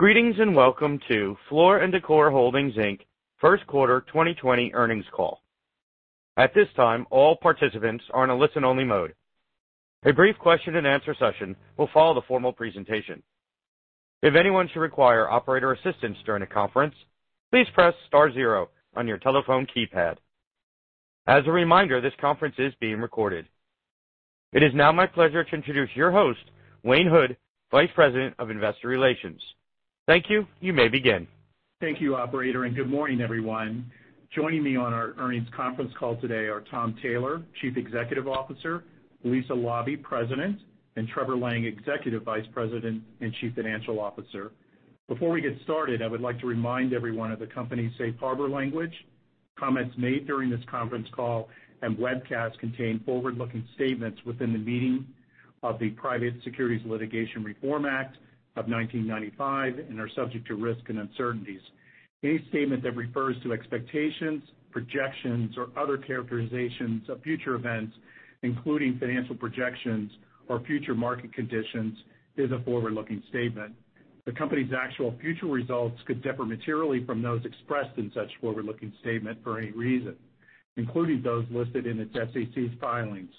Greetings, and welcome to Floor & Decor Holdings, Inc. First Quarter 2020 Earnings Call. At this time, all participants are in a listen-only mode. A brief question-and-answer session will follow the formal presentation. If anyone should require operator assistance during the conference, please press star zero on your telephone keypad. As a reminder, this conference is being recorded. It is now my pleasure to introduce your host, Wayne Hood, Vice President of Investor Relations. Thank you. You may begin. Thank you, operator, and good morning, everyone. Joining me on our earnings conference call today are Tom Taylor, Chief Executive Officer, Lisa Laube, President, and Trevor Lang, Executive Vice President and Chief Financial Officer. Before we get started, I would like to remind everyone of the company's safe harbor language. Comments made during this conference call and webcast contain forward-looking statements within the meaning of the Private Securities Litigation Reform Act of 1995 and are subject to risk and uncertainties. Any statement that refers to expectations, projections, or other characterizations of future events, including financial projections or future market conditions, is a forward-looking statement. The company's actual future results could differ materially from those expressed in such forward-looking statement for any reason, including those listed in its SEC filings.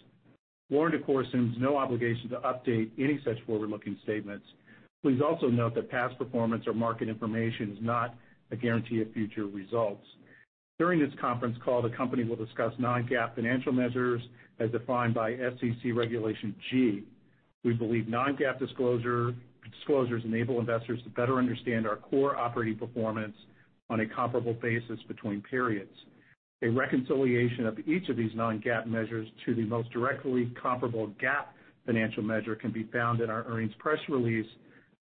Floor & Decor assumes no obligation to update any such forward-looking statements. Please also note that past performance or market information is not a guarantee of future results. During this conference call, the company will discuss non-GAAP financial measures as defined by SEC Regulation G. We believe non-GAAP disclosures enable investors to better understand our core operating performance on a comparable basis between periods. A reconciliation of each of these non-GAAP measures to the most directly comparable GAAP financial measure can be found in our earnings press release,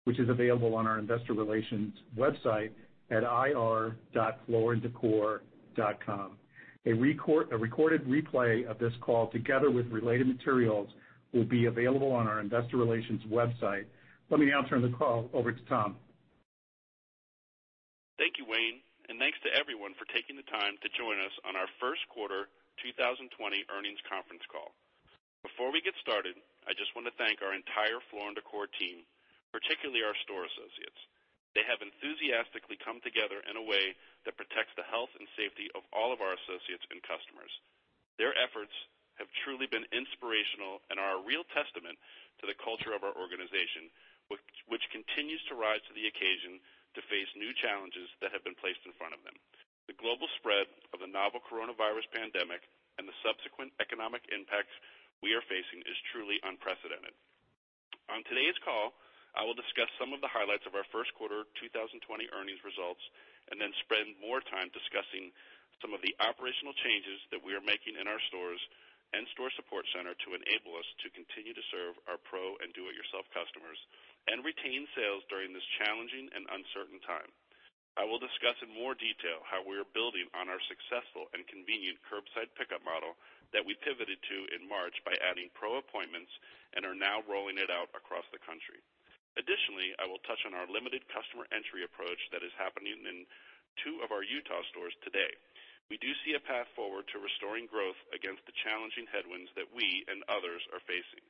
which is available on our investor relations website at ir.flooranddecor.com. A recorded replay of this call together with related materials will be available on our investor relations website. Let me now turn the call over to Tom. Thank you, Wayne, and thanks to everyone for taking the time to join us on our first quarter 2020 earnings conference call. Before we get started, I just want to thank our entire Floor & Decor team, particularly our store associates. They have enthusiastically come together in a way that protects the health and safety of all of our associates and customers. Their efforts have truly been inspirational and are a real testament to the culture of our organization, which continues to rise to the occasion to face new challenges that have been placed in front of them. The global spread of the novel coronavirus pandemic and the subsequent economic impacts we are facing is truly unprecedented. On today's call, I will discuss some of the highlights of our first quarter 2020 earnings results, and then spend more time discussing some of the operational changes that we are making in our stores and store support center to enable us to continue to serve our pro and do-it-yourself customers and retain sales during this challenging and uncertain time. I will discuss in more detail how we are building on our successful and convenient curbside pickup model that we pivoted to in March by adding pro appointments and are now rolling it out across the country. Additionally, I will touch on our limited customer entry approach that is happening in two of our Utah stores today. We do see a path forward to restoring growth against the challenging headwinds that we and others are facing.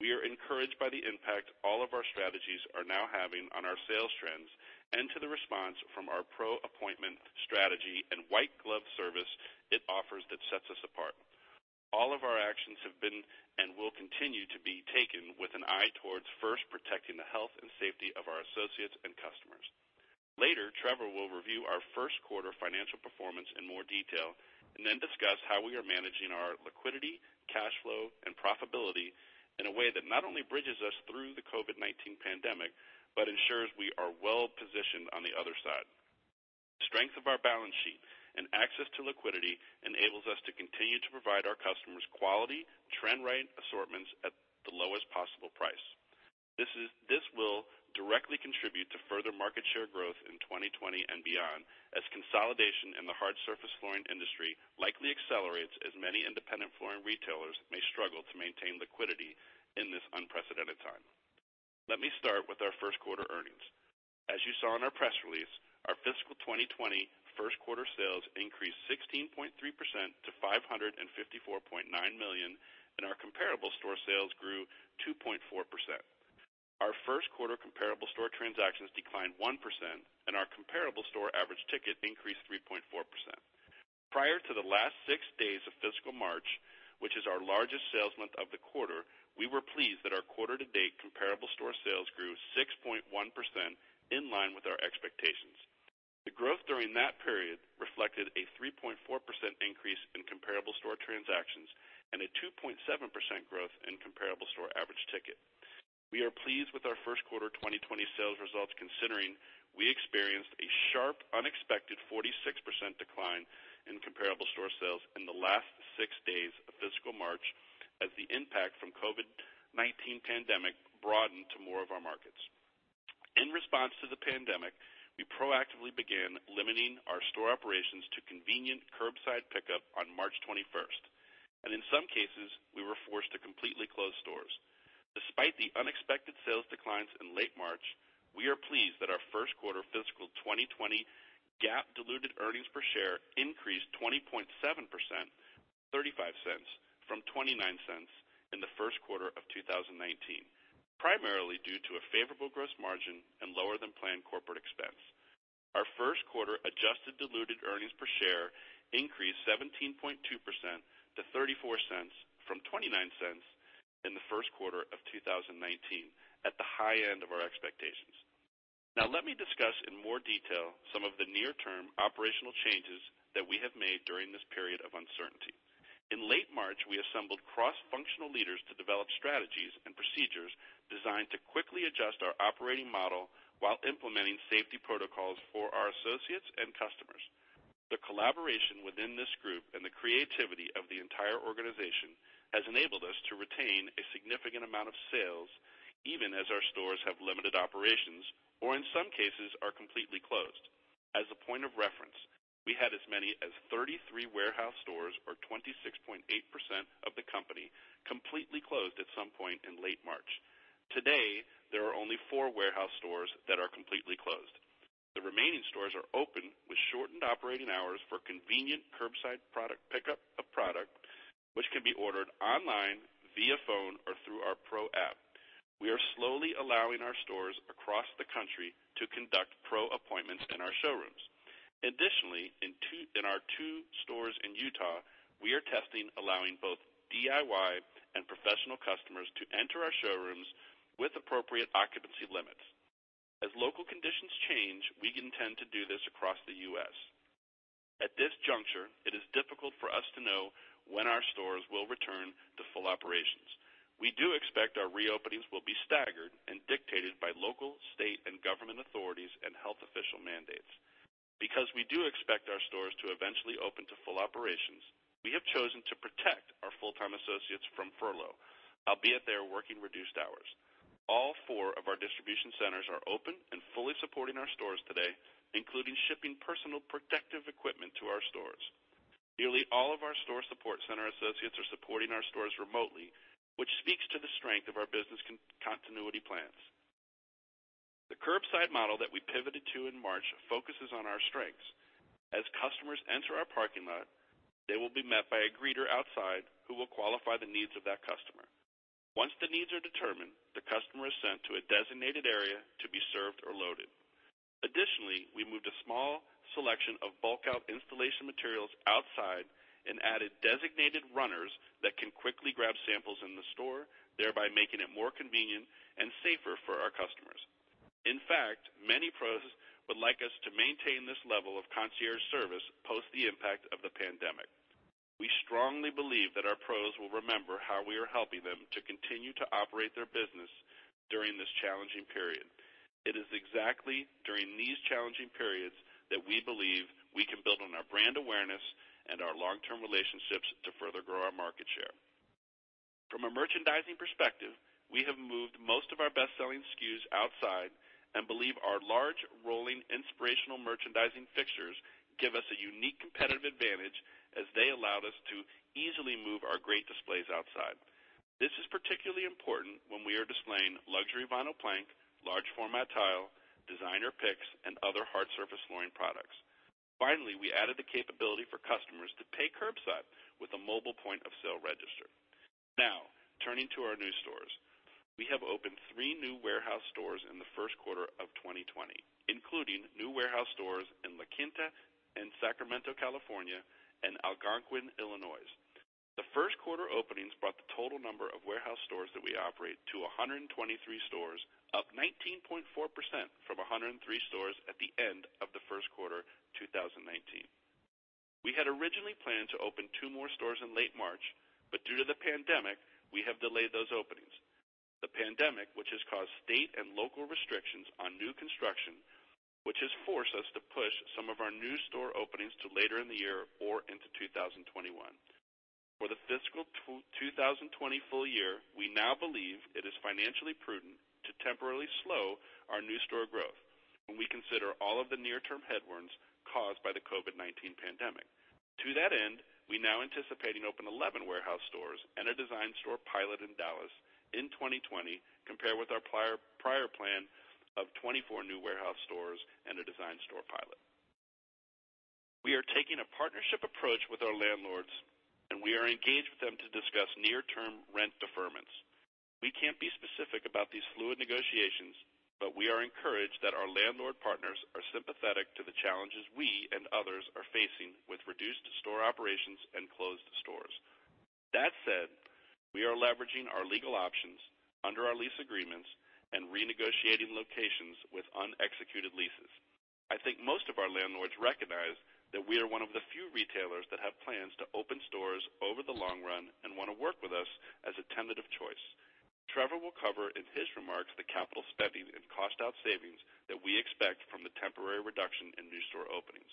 We are encouraged by the impact all of our strategies are now having on our sales trends and to the response from our pro appointment strategy and white glove service it offers that sets us apart. All of our actions have been and will continue to be taken with an eye towards first protecting the health and safety of our associates and customers. Later, Trevor will review our first quarter financial performance in more detail, and then discuss how we are managing our liquidity, cash flow, and profitability in a way that not only bridges us through the COVID-19 pandemic but ensures we are well-positioned on the other side. The strength of our balance sheet and access to liquidity enables us to continue to provide our customers quality, trend-right assortments at the lowest possible price. This will directly contribute to further market share growth in 2020 and beyond as consolidation in the hard surface flooring industry likely accelerates as many independent flooring retailers may struggle to maintain liquidity in this unprecedented time. Let me start with our first quarter earnings. As you saw in our press release, our fiscal 2020 first quarter sales increased 16.3% to $554.9 million, and our comparable store sales grew 2.4%. Our first quarter comparable store transactions declined 1%, and our comparable store average ticket increased 3.4%. Prior to the last six days of fiscal March, which is our largest sales month of the quarter, we were pleased that our quarter to date comparable store sales grew 6.1% in line with our expectations. The growth during that period reflected a 3.4% increase in comparable store transactions and a 2.7% growth in comparable store average ticket. We are pleased with our first quarter 2020 sales results, considering we experienced a sharp, unexpected 46% decline in comparable store sales in the last six days of fiscal March as the impact from COVID-19 pandemic broadened to more of our markets. In response to the pandemic, we proactively began limiting our store operations to convenient curbside pickup on March 21st, and in some cases, we were forced to completely close stores. Despite the unexpected sales declines in late March, we are pleased that our first quarter fiscal 2020 GAAP diluted earnings per share increased 20.7%. $0.35 from $0.29 in the first quarter of 2019, primarily due to a favorable gross margin and lower than planned corporate expense. Our first quarter adjusted diluted earnings per share increased 17.2% to $0.34 from $0.29 in the first quarter of 2019 at the high end of our expectations. Let me discuss in more detail some of the near term operational changes that we have made during this period of uncertainty. In late March, we assembled cross-functional leaders to develop strategies and procedures designed to quickly adjust our operating model while implementing safety protocols for our associates and customers. The collaboration within this group and the creativity of the entire organization has enabled us to retain a significant amount of sales even as our stores have limited operations, or in some cases are completely closed. As a point of reference, we had as many as 33 warehouse stores or 26.8% of the company completely closed at some point in late March. Today, there are only four warehouse stores that are completely closed. The remaining stores are open with shortened operating hours for convenient curbside pickup of product, which can be ordered online, via phone or through our pro app. We are slowly allowing our stores across the country to conduct pro appointments in our showrooms. Additionally, in our two stores in Utah, we are testing allowing both DIY and professional customers to enter our showrooms with appropriate occupancy limits. As local conditions change, we intend to do this across the U.S. At this juncture, it is difficult for us to know when our stores will return to full operations. We do expect our reopenings will be staggered and dictated by local, state, and government authorities and health official mandates. Because we do expect our stores to eventually open to full operations, we have chosen to protect our full-time associates from furlough, albeit they are working reduced hours. All four of our distribution centers are open and fully supporting our stores today, including shipping personal protective equipment to our stores. Nearly all of our store support center associates are supporting our stores remotely, which speaks to the strength of our business continuity plans. The curbside model that we pivoted to in March focuses on our strengths. As customers enter our parking lot, they will be met by a greeter outside who will qualify the needs of that customer. Once the needs are determined, the customer is sent to a designated area to be served or loaded. Additionally, we moved a small selection of bulk out installation materials outside and added designated runners that can quickly grab samples in the store, thereby making it more convenient and safer for our customers. In fact, many pros would like us to maintain this level of concierge service post the impact of the pandemic. We strongly believe that our pros will remember how we are helping them to continue to operate their business during this challenging period. It is exactly during these challenging periods that we believe we can build on our brand awareness and our long-term relationships to further grow our market share. From a merchandising perspective, we have moved most of our best-selling SKUs outside and believe our large rolling inspirational merchandising fixtures give us a unique competitive advantage as they allowed us to easily move our great displays outside. This is particularly important when we are displaying luxury vinyl plank, large format tile, designer picks and other hard surface flooring products. Finally, we added the capability for customers to pay curbside with a mobile point of sale register. Now, turning to our new stores. We have opened three new warehouse stores in the first quarter of 2020, including new warehouse stores in La Quinta and Sacramento, California and Algonquin, Illinois. The first quarter openings brought the total number of warehouse stores that we operate to 123 stores, up 19.4% from 103 stores at the end of the first quarter 2019. We had originally planned to open two more stores in late March, but due to the pandemic we have delayed those openings. The pandemic, which has caused state and local restrictions on new construction, which has forced us to push some of our new store openings to later in the year or into 2021. For the fiscal 2020 full year, we now believe it is financially prudent to temporarily slow our new store growth when we consider all of the near term headwinds caused by the COVID-19 pandemic. To that end, we now anticipate and open 11 warehouse stores and a design store pilot in Dallas in 2020 compared with our prior plan of 24 new warehouse stores and a design store pilot. We are taking a partnership approach with our landlords, and we are engaged with them to discuss near-term rent deferments. We can't be specific about these fluid negotiations, but we are encouraged that our landlord partners are sympathetic to the challenges we and others are facing with reduced store operations and closed stores. That said, we are leveraging our legal options under our lease agreements and renegotiating locations with unexecuted leases. I think most of our landlords recognize that we are one of the few retailers that have plans to open stores over the long run and want to work with us as a tentative choice. Trevor will cover in his remarks the capital spending and cost out savings that we expect from the temporary reduction in new store openings.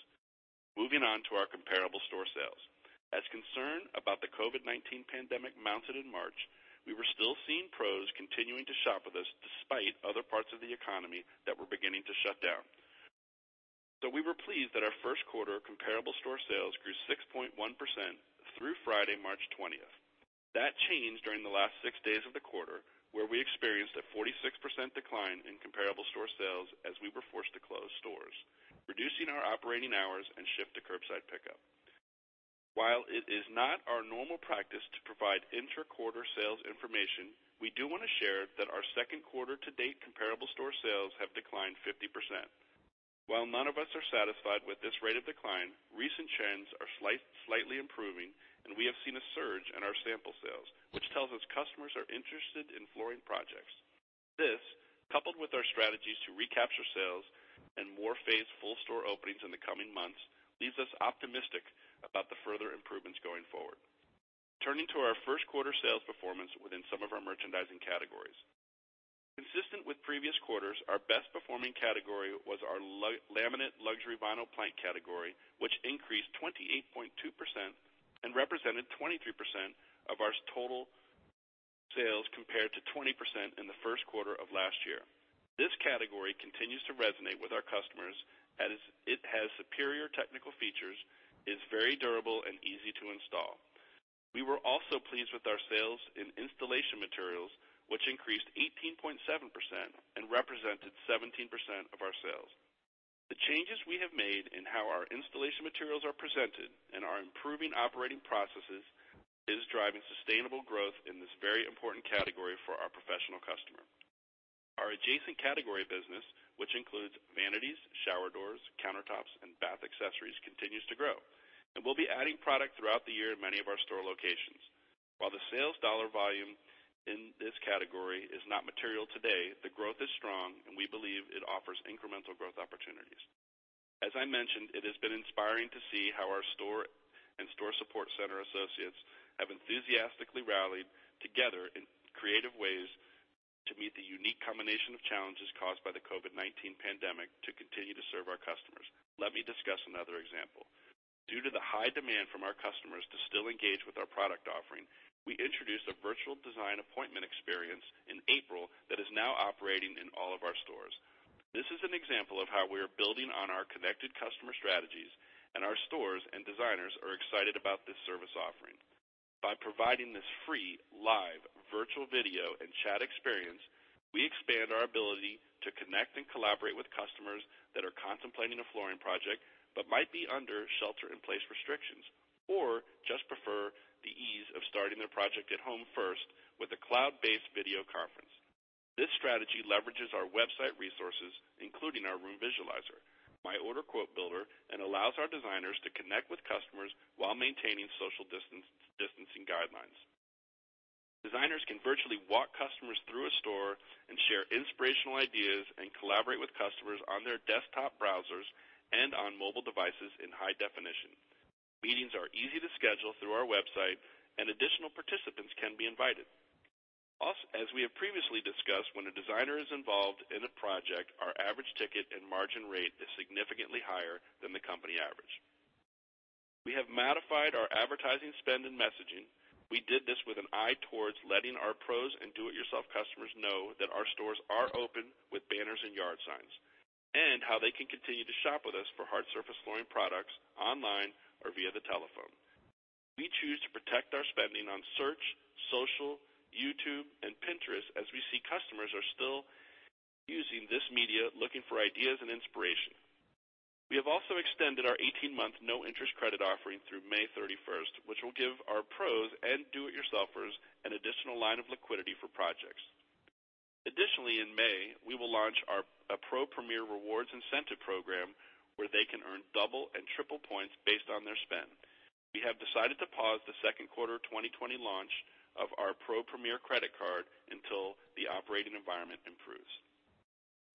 Moving on to our comparable store sales. As concern about the COVID-19 pandemic mounted in March, we were still seeing pros continuing to shop with us despite other parts of the economy that were beginning to shut down. We were pleased that our first quarter comparable store sales grew 6.1% through Friday, March 20th. That changed during the last six days of the quarter, where we experienced a 46% decline in comparable store sales as we were forced to close stores, reducing our operating hours and shift to curbside pickup. While it is not our normal practice to provide inter-quarter sales information, we do wanna share that our second quarter to date comparable store sales have declined 50%. While none of us are satisfied with this rate of decline, recent trends are slightly improving, and we have seen a surge in our sample sales, which tells us customers are interested in flooring projects. This, coupled with our strategies to recapture sales and more phased full store openings in the coming months, leaves us optimistic about the further improvements going forward. Turning to our first quarter sales performance within some of our merchandising categories. Consistent with previous quarters, our best-performing category was our laminate/luxury vinyl plank category, which increased 28.2% and represented 23% of our total sales, compared to 20% in the first quarter of last year. This category continues to resonate with our customers as it has superior technical features, is very durable, and easy to install. We were also pleased with our sales in installation materials, which increased 18.7% and represented 17% of our sales. The changes we have made in how our installation materials are presented and our improving operating processes is driving sustainable growth in this very important category for our professional customer. Our adjacent category business, which includes vanities, shower doors, countertops, and bath accessories, continues to grow, and we'll be adding product throughout the year in many of our store locations. While the sales dollar volume in this category is not material today, the growth is strong, and we believe it offers incremental growth opportunities. As I mentioned, it has been inspiring to see how our store and store support center associates have enthusiastically rallied together in creative ways to meet the unique combination of challenges caused by the COVID-19 pandemic to continue to serve our customers. Let me discuss another example. Due to the high demand from our customers to still engage with our product offering, we introduced a virtual design appointment experience in April that is now operating in all of our stores. This is an example of how we are building on our connected customer strategies, and our stores and designers are excited about this service offering. By providing this free, live, virtual video and chat experience, we expand our ability to connect and collaborate with customers that are contemplating a flooring project but might be under shelter in place restrictions or just prefer the ease of starting their project at home first with a cloud-based video conference. This strategy leverages our website resources, including our room visualizer, My Order Quote Builder, and allows our designers to connect with customers while maintaining social distancing guidelines. Designers can virtually walk customers through a store and share inspirational ideas and collaborate with customers on their desktop browsers and on mobile devices in high definition. Meetings are easy to schedule through our website, and additional participants can be invited. As we have previously discussed, when a designer is involved in a project, our average ticket and margin rate is significantly higher than the company average. We have modified our advertising spend and messaging. We did this with an eye towards letting our pros and do-it-yourself customers know that our stores are open with banners and yard signs, and how they can continue to shop with us for hard surface flooring products online or via the telephone. We choose to protect our spending on search, social, YouTube, and Pinterest, as we see customers are still using this media, looking for ideas and inspiration. We have also extended our 18-month no-interest credit offering through May 31st, which will give our pros and do-it-yourselfers an additional line of liquidity for projects. Additionally, in May, we will launch our PRO Premier Rewards incentive program, where they can earn double and triple points based on their spend. We have decided to pause the second quarter 2020 launch of our PRO Premier credit card until the operating environment improves.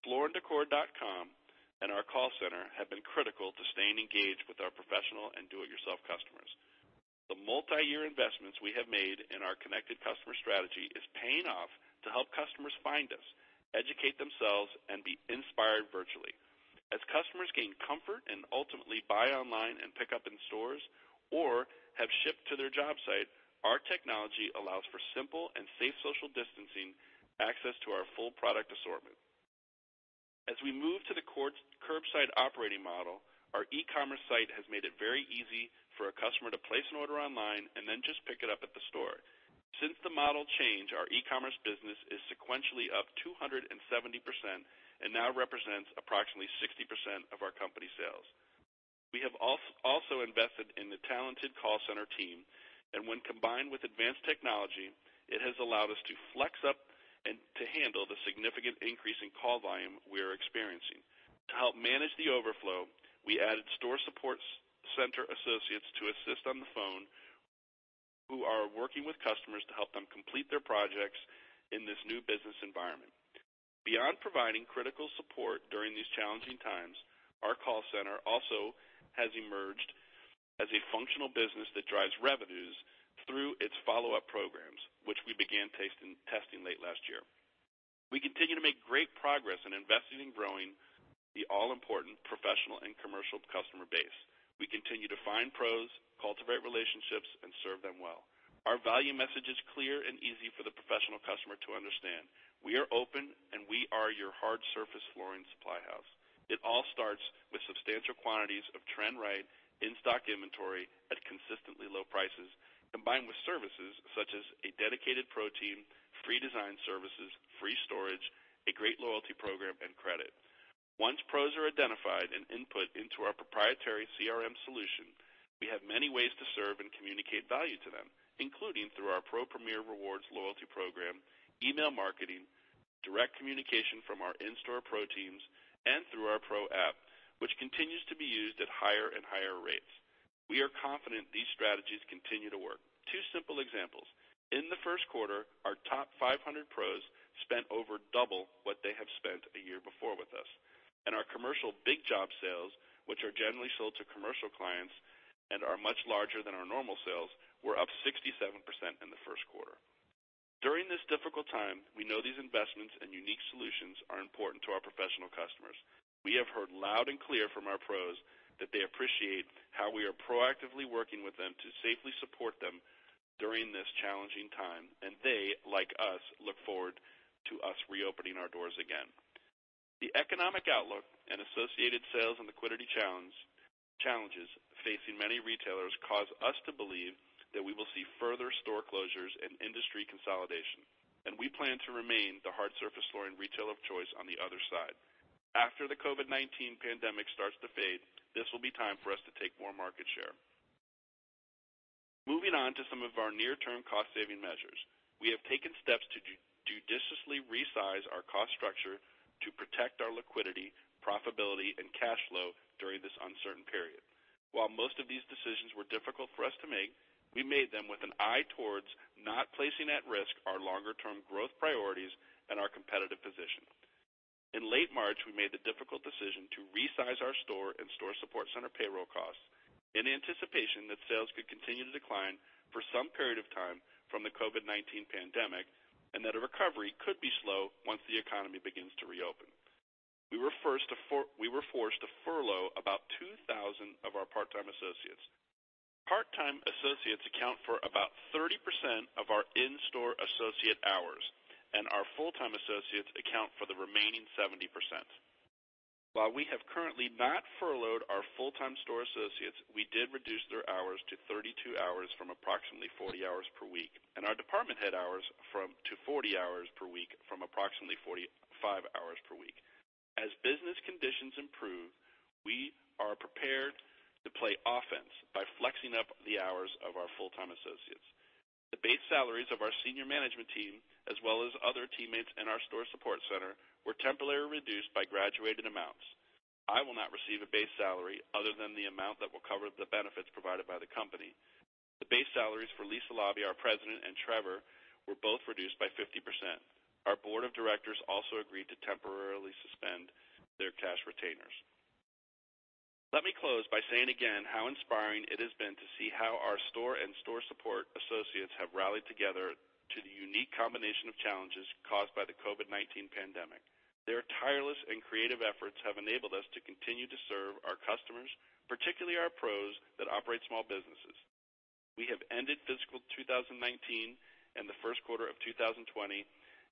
Flooranddecor.com and our call center have been critical to staying engaged with our professional and do-it-yourself customers. The multiyear investments we have made in our connected customer strategy is paying off to help customers find us, educate themselves, and be inspired virtually. As customers gain comfort and ultimately buy online and pick up in stores or have shipped to their job site, our technology allows for simple and safe social distancing access to our full product assortment. As we move to the curbside operating model, our e-commerce site has made it very easy for a customer to place an order online and then just pick it up at the store. Since the model change, our e-commerce business is sequentially up 270% and now represents approximately 60% of our company sales. We have also invested in the talented call center team, and when combined with advanced technology, it has allowed us to flex up and to handle the significant increase in call volume we are experiencing. To help manage the overflow, we added store support center associates to assist on the phone who are working with customers to help them complete their projects in this new business environment. Beyond providing critical support during these challenging times, our call center also has emerged as a functional business that drives revenues through its follow-up programs, which we began testing late last year. We continue to make great progress in investing in growing the all-important professional and commercial customer base. We continue to find pros, cultivate relationships, and serve them well. Our value message is clear and easy for the professional customer to understand. We are open, and we are your hard surface flooring supply house. It all starts with substantial quantities of trend right in-stock inventory at consistently low prices, combined with services such as a dedicated pro team, free design services, free storage, a great loyalty program, and credit. Once pros are identified and input into our proprietary CRM solution, we have many ways to serve and communicate value to them, including through our PRO Premier Rewards loyalty program, email marketing, direct communication from our in-store pro teams, and through our PRO app, which continues to be used at higher and higher rates. We are confident these strategies continue to work. Two simple examples. In the first quarter, our top 500 pros spent over double what they have spent a year before with us. Our commercial big job sales, which are generally sold to commercial clients and are much larger than our normal sales, were up 67% in the first quarter. During this difficult time, we know these investments and unique solutions are important to our professional customers. We have heard loud and clear from our pros that they appreciate how we are proactively working with them to safely support them during this challenging time, and they, like us, look forward to us reopening our doors again. The economic outlook and associated sales and liquidity challenges facing many retailers cause us to believe that we will see further store closures and industry consolidation, and we plan to remain the hard surface flooring retailer of choice on the other side. After the COVID-19 pandemic starts to fade, this will be time for us to take more market share. Moving on to some of our near-term cost-saving measures. We have taken steps to judiciously resize our cost structure to protect our liquidity, profitability, and cash flow during this uncertain period. While most of these decisions were difficult for us to make, we made them with an eye towards not placing at risk our longer-term growth priorities and our competitive position. In late March, we made the difficult decision to resize our store and store support center payroll costs in anticipation that sales could continue to decline for some period of time from the COVID-19 pandemic, and that a recovery could be slow once the economy begins to reopen. We were forced to furlough about 2,000 of our part-time associates. Part-time associates account for about 30% of our in-store associate hours, and our full-time associates account for the remaining 70%. While we have currently not furloughed our full-time store associates, we did reduce their hours to 32 hours from approximately 40 hours per week, and our department head hours to 40 hours per week from approximately 45 hours per week. As business conditions improve, we are prepared to play offense by flexing up the hours of our full-time associates. The base salaries of our senior management team, as well as other teammates in our store support center, were temporarily reduced by graduated amounts. I will not receive a base salary other than the amount that will cover the benefits provided by the company. The base salaries for Lisa Laube, our president, and Trevor were both reduced by 50%. Our board of directors also agreed to temporarily suspend their cash retainers. Let me close by saying again how inspiring it has been to see how our store and store support associates have rallied together to the unique combination of challenges caused by the COVID-19 pandemic. Their tireless and creative efforts have enabled us to continue to serve our customers, particularly our pros that operate small businesses. We have ended fiscal 2019 and the first quarter of 2020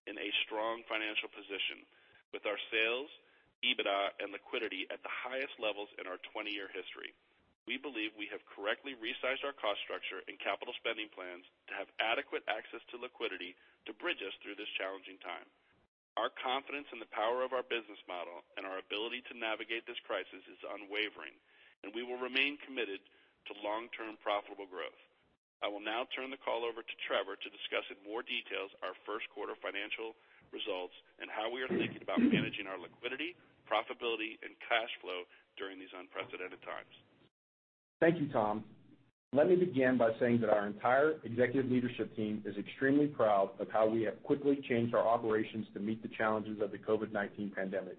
in a strong financial position with our sales, EBITDA, and liquidity at the highest levels in our 20-year history. We believe we have correctly resized our cost structure and capital spending plans to have adequate access to liquidity to bridge us through this challenging time. Our confidence in the power of our business model and our ability to navigate this crisis is unwavering, and we will remain committed to long-term profitable growth. I will now turn the call over to Trevor to discuss in more details our first quarter financial results and how we are thinking about managing our liquidity, profitability, and cash flow during these unprecedented times. Thank you, Tom. Let me begin by saying that our entire executive leadership team is extremely proud of how we have quickly changed our operations to meet the challenges of the COVID-19 pandemic.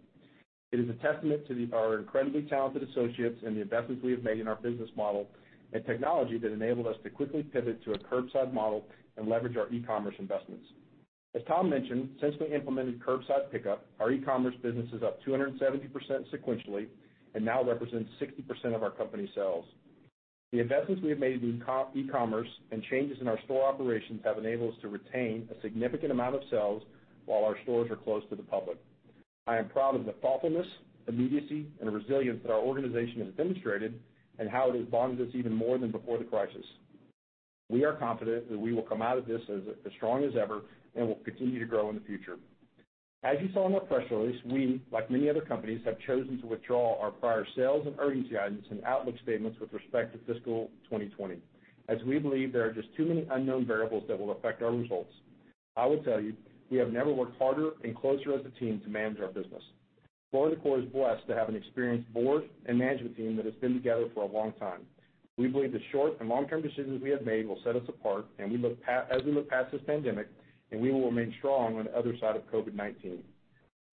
It is a testament to our incredibly talented associates and the investments we have made in our business model and technology that enabled us to quickly pivot to a curbside model and leverage our e-commerce investments. As Tom mentioned, since we implemented curbside pickup, our e-commerce business is up 270% sequentially and now represents 60% of our company sales. The investments we have made in e-commerce and changes in our store operations have enabled us to retain a significant amount of sales while our stores are closed to the public. I am proud of the thoughtfulness, immediacy, and resilience that our organization has demonstrated and how it has bonded us even more than before the crisis. We are confident that we will come out of this as strong as ever and will continue to grow in the future. As you saw in our press release, we, like many other companies, have chosen to withdraw our prior sales and earnings guidance and outlook statements with respect to fiscal 2020, as we believe there are just too many unknown variables that will affect our results. I will tell you, we have never worked harder and closer as a team to manage our business. Floor & Decor is blessed to have an experienced board and management team that has been together for a long time. We believe the short and long-term decisions we have made will set us apart, as we look past this pandemic, and we will remain strong on the other side of COVID-19.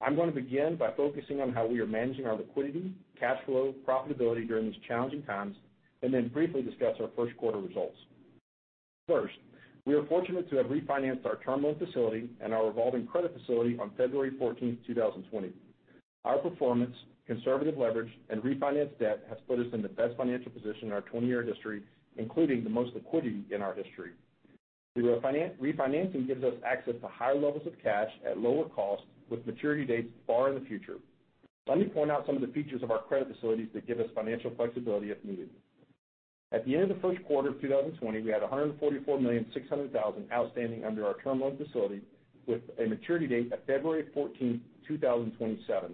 I'm going to begin by focusing on how we are managing our liquidity, cash flow, profitability during these challenging times, and then briefly discuss our first quarter results. First, we are fortunate to have refinanced our term loan facility and our revolving credit facility on February 14, 2020. Our performance, conservative leverage, and refinanced debt has put us in the best financial position in our 20-year history, including the most liquidity in our history. Through our refinancing gives us access to higher levels of cash at lower costs with maturity dates far in the future. Let me point out some of the features of our credit facilities that give us financial flexibility if needed. At the end of the first quarter of 2020, we had $144.6 million outstanding under our term loan facility with a maturity date of February 14th, 2027.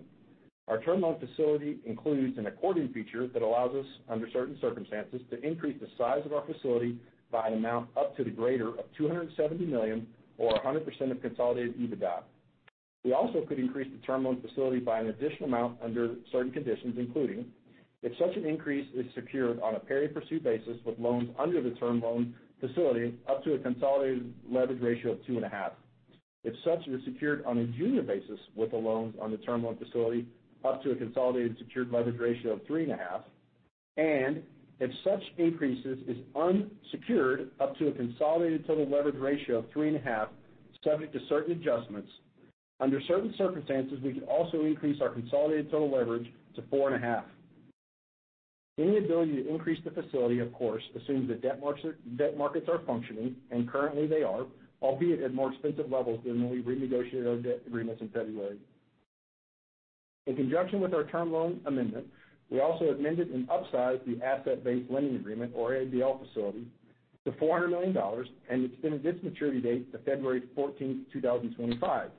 Our term loan facility includes an accordion feature that allows us, under certain circumstances, to increase the size of our facility by an amount up to the greater of $270 million or 100% of consolidated EBITDA. We also could increase the term loan facility by an additional amount under certain conditions, including if such an increase is secured on a pari passu basis with loans under the term loan facility up to a consolidated leverage ratio of 2.5. If such is secured on a junior basis with the loans on the term loan facility up to a consolidated secured leverage ratio of 3.5, and if such increases is unsecured up to a consolidated total leverage ratio of 3.5, subject to certain adjustments. Under certain circumstances, we could also increase our consolidated total leverage to 4.5. Any ability to increase the facility, of course, assumes that debt markets are functioning, and currently they are, albeit at more expensive levels than when we renegotiated our debt agreements in February. In conjunction with our term loan amendment, we also amended and upsized the asset-based lending agreement, or ABL facility, to $400 million and extended this maturity date to February 14th, 2025.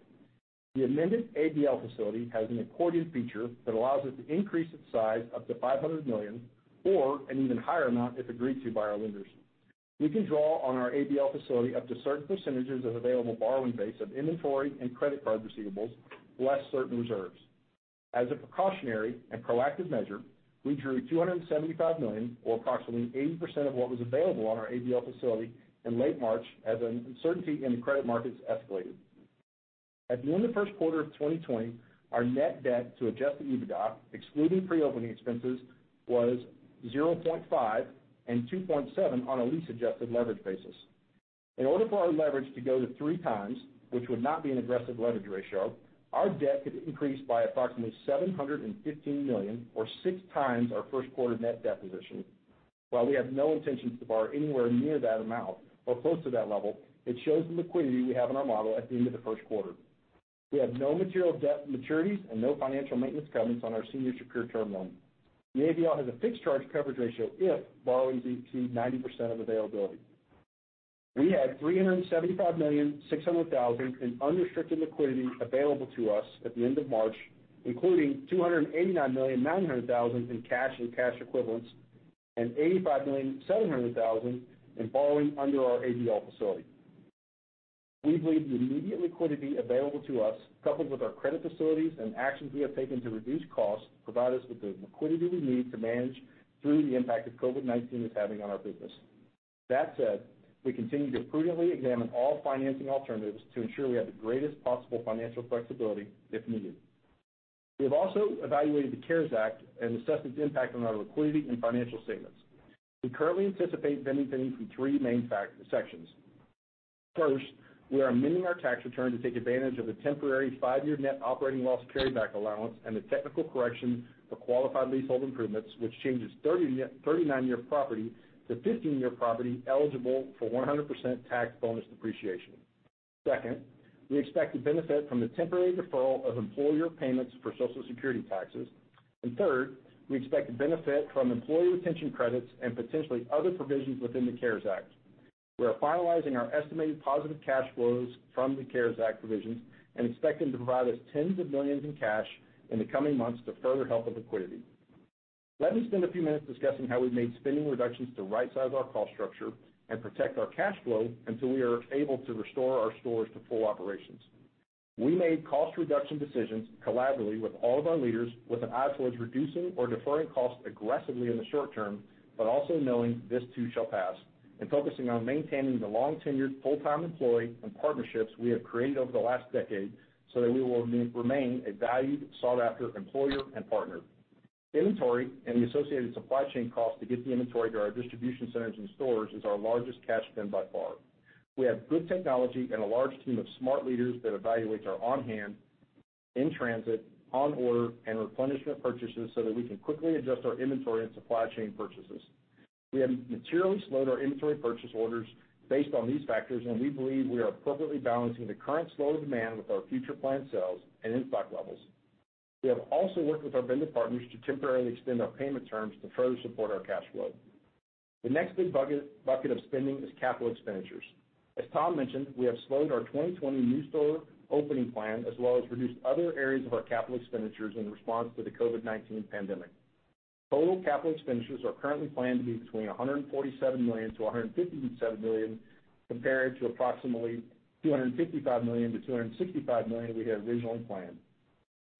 The amended ABL facility has an accordion feature that allows us to increase its size up to $500 million or an even higher amount if agreed to by our lenders. We can draw on our ABL facility up to certain percentages of available borrowing base of inventory and credit card receivables, less certain reserves. As a precautionary and proactive measure, we drew $275 million, or approximately 80% of what was available on our ABL facility in late March as an uncertainty in the credit markets escalated. At the end of the first quarter of 2020, our net debt to adjusted EBITDA, excluding pre-opening expenses, was 0.5 and 2.7 on a lease-adjusted leverage basis. In order for our leverage to go to 3x, which would not be an aggressive leverage ratio, our debt could increase by approximately $715 million or 6x our first quarter net debt position. While we have no intention to borrow anywhere near that amount or close to that level, it shows the liquidity we have in our model at the end of the first quarter. We have no material debt maturities and no financial maintenance covenants on our senior secured term loan. The ABL has a fixed charge coverage ratio if borrowings exceed 90% of availability. We had $375.6 million in unrestricted liquidity available to us at the end of March, including $289.9 million in cash and cash equivalents and $85.7 million in borrowing under our ABL facility. We believe the immediate liquidity available to us, coupled with our credit facilities and actions we have taken to reduce costs, provide us with the liquidity we need to manage through the impact that COVID-19 is having on our business. That said, we continue to prudently examine all financing alternatives to ensure we have the greatest possible financial flexibility if needed. We have also evaluated the CARES Act and assessed its impact on our liquidity and financial statements. We currently anticipate benefiting from three main factor sections. First, we are amending our tax return to take advantage of the temporary five-year net operating loss carryback allowance and the technical correction for qualified leasehold improvements, which changes 39-year property to 15-year property eligible for 100% tax bonus depreciation. Second, we expect to benefit from the temporary deferral of employer payments for Social Security taxes. Third, we expect to benefit from employee retention credits and potentially other provisions within the CARES Act. We are finalizing our estimated positive cash flows from the CARES Act provisions and expect them to provide us tens of millions in cash in the coming months to further help with liquidity. Let me spend a few minutes discussing how we've made spending reductions to rightsize our cost structure and protect our cash flow until we are able to restore our stores to full operations. We made cost reduction decisions collaboratively with all of our leaders with an eye towards reducing or deferring costs aggressively in the short term, but also knowing this too shall pass, and focusing on maintaining the long-tenured full-time employee and partnerships we have created over the last decade so that we will remain a valued, sought-after employer and partner. Inventory and the associated supply chain cost to get the inventory to our distribution centers and stores is our largest cash spend by far. We have good technology and a large team of smart leaders that evaluate our on-hand, in-transit, on-order, and replenishment purchases so that we can quickly adjust our inventory and supply chain purchases. We have materially slowed our inventory purchase orders based on these factors, and we believe we are appropriately balancing the current slow demand with our future planned sales and inventory levels. We have also worked with our vendor partners to temporarily extend our payment terms to further support our cash flow. The next big bucket of spending is capital expenditures. As Tom mentioned, we have slowed our 2020 new store opening plan as well as reduced other areas of our capital expenditures in response to the COVID-19 pandemic. Total capital expenditure are currently planned to be between $147 million-$157 million, compared to approximately $255 million-$265 million we had originally planned.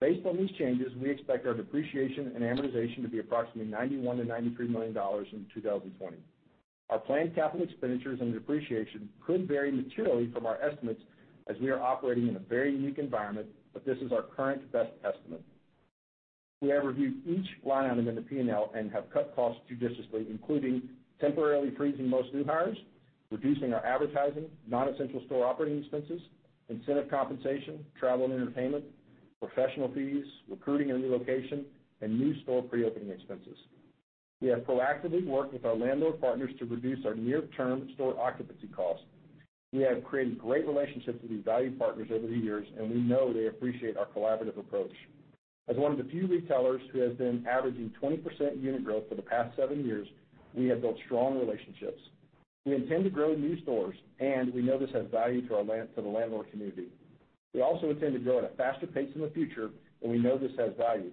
Based on these changes, we expect our depreciation and amortization to be approximately $91 million-$93 million in 2020. Our planned capital expenditure and depreciation could vary materially from our estimates as we are operating in a very unique environment, but this is our current best estimate. We have reviewed each line item in the P&L and have cut costs judiciously, including temporarily freezing most new hires, reducing our advertising, non-essential store operating expenses, incentive compensation, travel and entertainment, professional fees, recruiting and relocation, and new store pre-opening expenses. We have proactively worked with our landlord partners to reduce our near-term store occupancy costs. We have created great relationships with these valued partners over the years, and we know they appreciate our collaborative approach. As one of the few retailers who has been averaging 20% unit growth for the past seven years, we have built strong relationships. We intend to grow new stores, and we know this has value to our landlord community. We also intend to grow at a faster pace in the future, and we know this has value.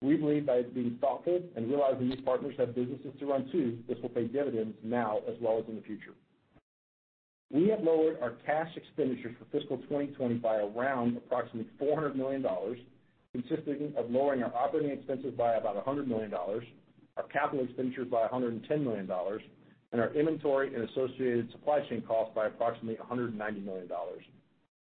We believe by being thoughtful and realizing these partners have businesses to run too, this will pay dividends now as well as in the future. We have lowered our cash expenditures for fiscal 2020 by around approximately $400 million, consisting of lowering our operating expenses by about $100 million, our capital expenditure by $110 million, and our inventory and associated supply chain costs by approximately $190 million.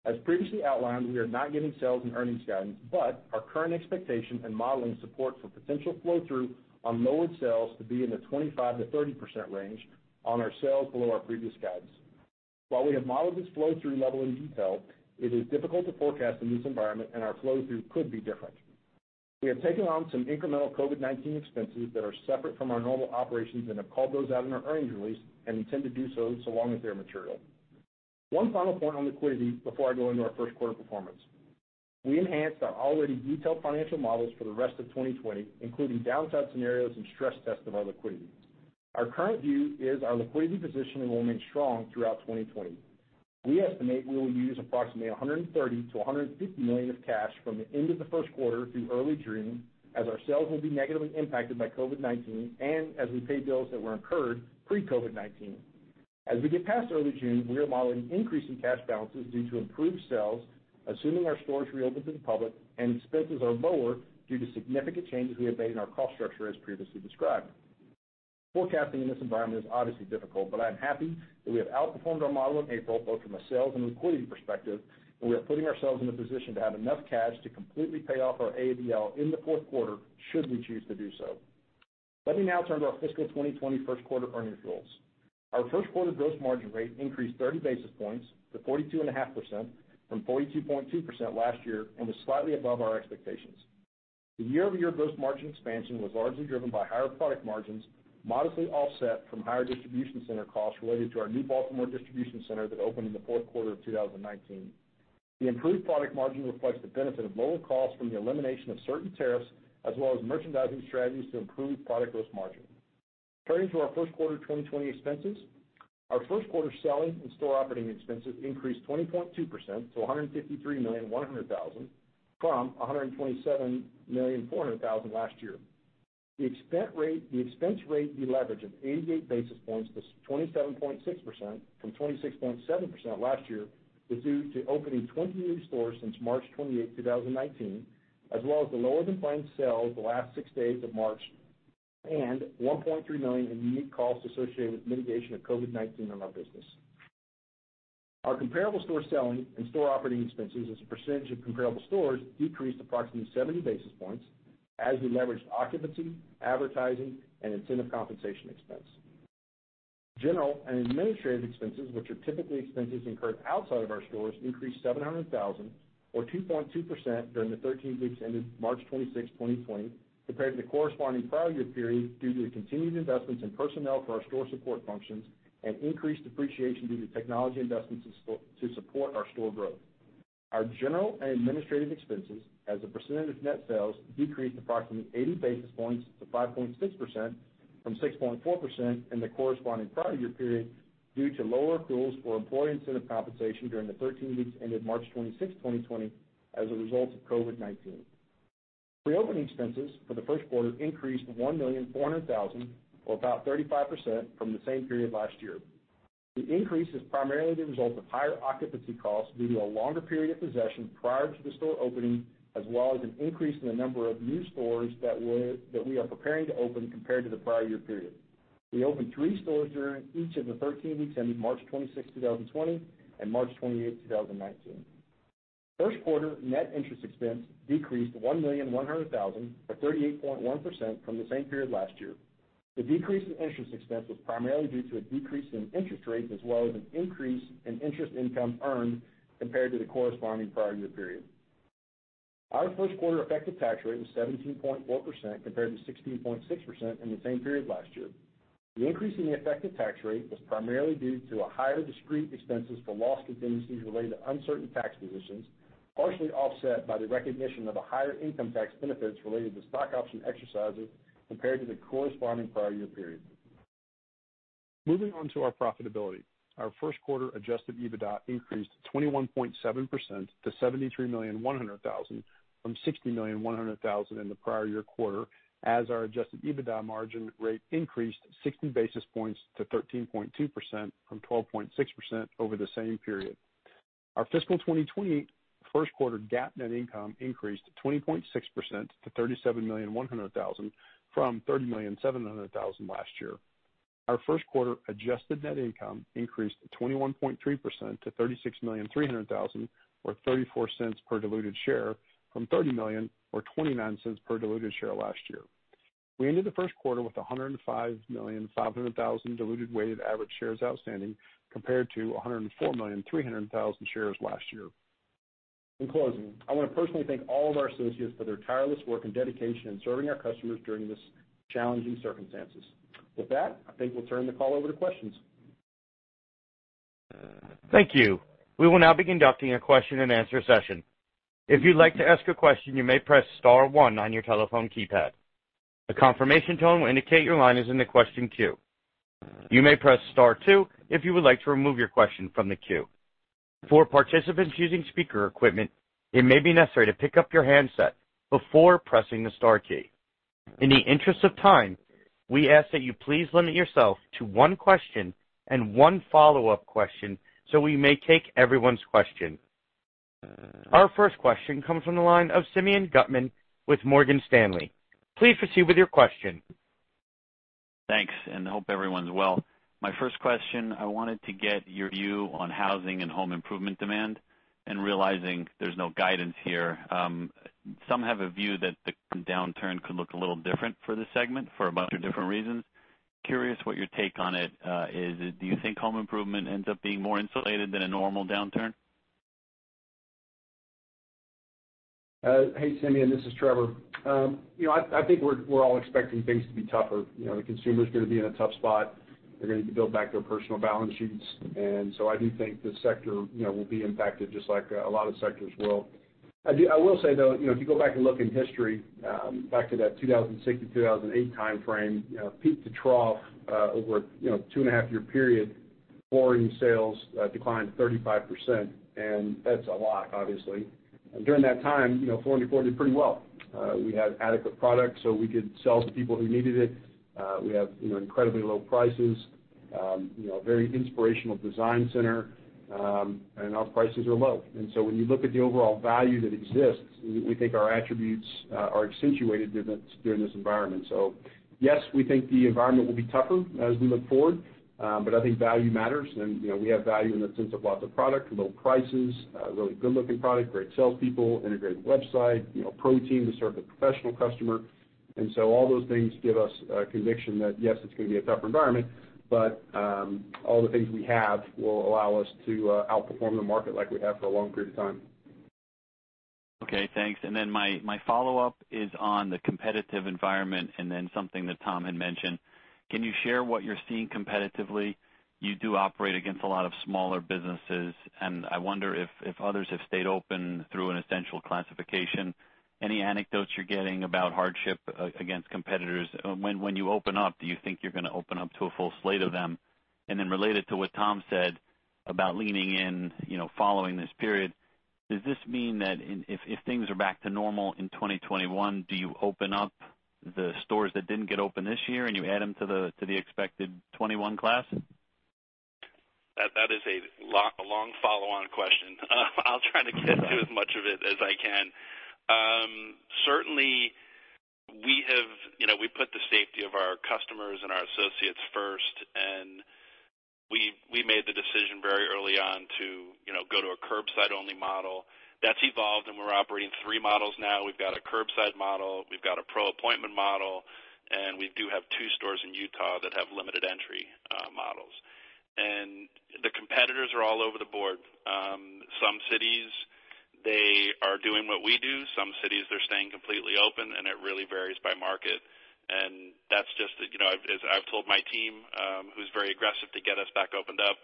As previously outlined, we are not giving sales and earnings guidance, but our current expectation and modeling support for potential flow-through on lowered sales to be in the 25%-30% range on our sales below our previous guidance. While we have modeled this flow-through level in detail, it is difficult to forecast in this environment, and our flow-through could be different. We have taken on some incremental COVID-19 expenses that are separate from our normal operations and have called those out in our earnings release, and intend to do so long as they are material. One final point on liquidity before I go into our first quarter performance. We enhanced our already detailed financial models for the rest of 2020, including downside scenarios and stress tests of our liquidity. Our current view is our liquidity position will remain strong throughout 2020. We estimate we will use approximately $130 million-$150 million of cash from the end of the first quarter through early June, as our sales will be negatively impacted by COVID-19, and as we pay bills that were incurred pre-COVID-19. As we get past early June, we are modeling an increase in cash balances due to improved sales, assuming our stores reopen to the public and expenses are lower due to significant changes we have made in our cost structure, as previously described. Forecasting in this environment is obviously difficult, but I am happy that we have outperformed our model in April, both from a sales and liquidity perspective, and we are putting ourselves in a position to have enough cash to completely pay off our ABL in the fourth quarter, should we choose to do so. Let me now turn to our fiscal 2020 first quarter earnings results. Our first quarter gross margin rate increased 30 basis points to 42.5% from 42.2% last year and was slightly above our expectations. The year-over-year gross margin expansion was largely driven by higher product margins, modestly offset from higher distribution center costs related to our new Baltimore distribution center that opened in the fourth quarter of 2019. The improved product margin reflects the benefit of lower costs from the elimination of certain tariffs, as well as merchandising strategies to improve product gross margin. Turning to our first quarter 2020 expenses. Our first quarter selling and store operating expenses increased 20.2% to $153.1 million from $127.4 million last year. The expense rate deleverage of 88 basis points to 27.6% from 26.7% last year was due to opening 20 new stores since March 28, 2019, as well as the lower than planned sales the last six days of March and $1.3 million in unique costs associated with mitigation of COVID-19 on our business. Our comparable store selling and store operating expenses as a percentage of comparable stores decreased approximately 70 basis points as we leveraged occupancy, advertising, and incentive compensation expense. General and administrative expenses, which are typically expenses incurred outside of our stores, increased $700,000, or 2.2% during the 13 weeks ended March 26, 2020, compared to the corresponding prior year period, due to the continued investments in personnel for our store support functions and increased depreciation due to technology investments to support our store growth. Our general and administrative expenses as a percentage of net sales decreased approximately 80 basis points to 5.6% from 6.4% in the corresponding prior year period due to lower accruals for employee incentive compensation during the 13 weeks ended March 26, 2020, as a result of COVID-19. Reopening expenses for the first quarter increased $1.4 million or about 35% from the same period last year. The increase is primarily the result of higher occupancy costs due to a longer period of possession prior to the store opening, as well as an increase in the number of new stores that we are preparing to open compared to the prior year period. We opened three stores during each of the 13 weeks ending March 26, 2020, and March 28, 2019. First quarter net interest expense decreased $1.1 million or 38.1% from the same period last year. The decrease in interest expense was primarily due to a decrease in interest rates as well as an increase in interest income earned compared to the corresponding prior year period. Our first quarter effective tax rate was 17.4% compared to 16.6% in the same period last year. The increase in the effective tax rate was primarily due to a higher discrete expenses for loss contingencies related to uncertain tax positions, partially offset by the recognition of a higher income tax benefits related to stock option exercises compared to the corresponding prior year period. Moving on to our profitability. Our first quarter adjusted EBITDA increased 21.7% to $73.1 million from $60.1 million in the prior year quarter, as our adjusted EBITDA margin rate increased 60 basis points to 13.2% from 12.6% over the same period. Our fiscal 2020 first quarter GAAP net income increased 20.6% to $37.1 million from $30.7 million last year. Our first quarter adjusted net income increased 21.3% to $36.3 million, or $0.34 per diluted share from $30 million or $0.29 per diluted share last year. We ended the first quarter with 105.5 million diluted weighted average shares outstanding compared to 104.3 million shares last year. In closing, I want to personally thank all of our associates for their tireless work and dedication in serving our customers during this challenging circumstances. With that, I think we'll turn the call over to questions. Thank you. We will now be conducting a question-and-answer session. If you'd like to ask a question, you may press star one on your telephone keypad. A confirmation tone will indicate your line is in the question queue. You may press star two if you would like to remove your question from the queue. For participants using speaker equipment, it may be necessary to pick up your handset before pressing the star key. In the interest of time, we ask that you please limit yourself to one question and one follow-up question so we may take everyone's question. Our first question comes from the line of Simeon Gutman with Morgan Stanley. Please proceed with your question. Thanks, and hope everyone's well. My first question, I wanted to get your view on housing and home improvement demand and realizing there's no guidance here. Some have a view that the downturn could look a little different for this segment for a bunch of different reasons. Curious what your take on it is. Do you think home improvement ends up being more insulated than a normal downturn? Hey, Simeon, this is Trevor. You know, I think we're all expecting things to be tougher. You know, the consumer's gonna be in a tough spot. They're gonna need to build back their personal balance sheets. I do think this sector, you know, will be impacted just like a lot of sectors will. I will say, though, you know, if you go back and look in history, back to that 2006 to 2008 time frame, you know, peak to trough, over, you know, two and a half year period, flooring sales declined 35%, and that's a lot, obviously. During that time, you know, Floor & Decor did pretty well. We had adequate product, so we could sell to people who needed it. We have, you know, incredibly low prices, you know, very inspirational design center, and our prices are low. When you look at the overall value that exists, we think our attributes are accentuated during this environment. Yes, we think the environment will be tougher as we look forward, but I think value matters. You know, we have value in the sense of lots of product, low prices, really good-looking product, great salespeople, integrated website, you know, pro team to serve the professional customer. All those things give us conviction that, yes, it's gonna be a tougher environment, but all the things we have will allow us to outperform the market like we have for a long period of time. Okay, thanks. My follow-up is on the competitive environment and something that Tom had mentioned. Can you share what you're seeing competitively? You do operate against a lot of smaller businesses, and I wonder if others have stayed open through an essential classification. Any anecdotes you're getting about hardship against competitors? When you open up, do you think you're going to open up to a full slate of them? Related to what Tom said about leaning in, you know, following this period, does this mean that if things are back to normal in 2021, do you open up the stores that didn't get open this year and you add them to the expected 21 class? That is a long follow-on question. I'll try to get to as much of it as I can. Certainly we have, you know, we put the safety of our customers and our associates first, and we made the decision very early on to, you know, go to a curbside-only model. That's evolved, and we're operating three models now. We've got a curbside model, we've got a pro appointment model, and we do have two stores in Utah that have limited entry models. The competitors are all over the board. Some cities, they are doing what we do. Some cities, they're staying completely open, and it really varies by market. That's just, you know, as I've told my team, who's very aggressive to get us back opened up,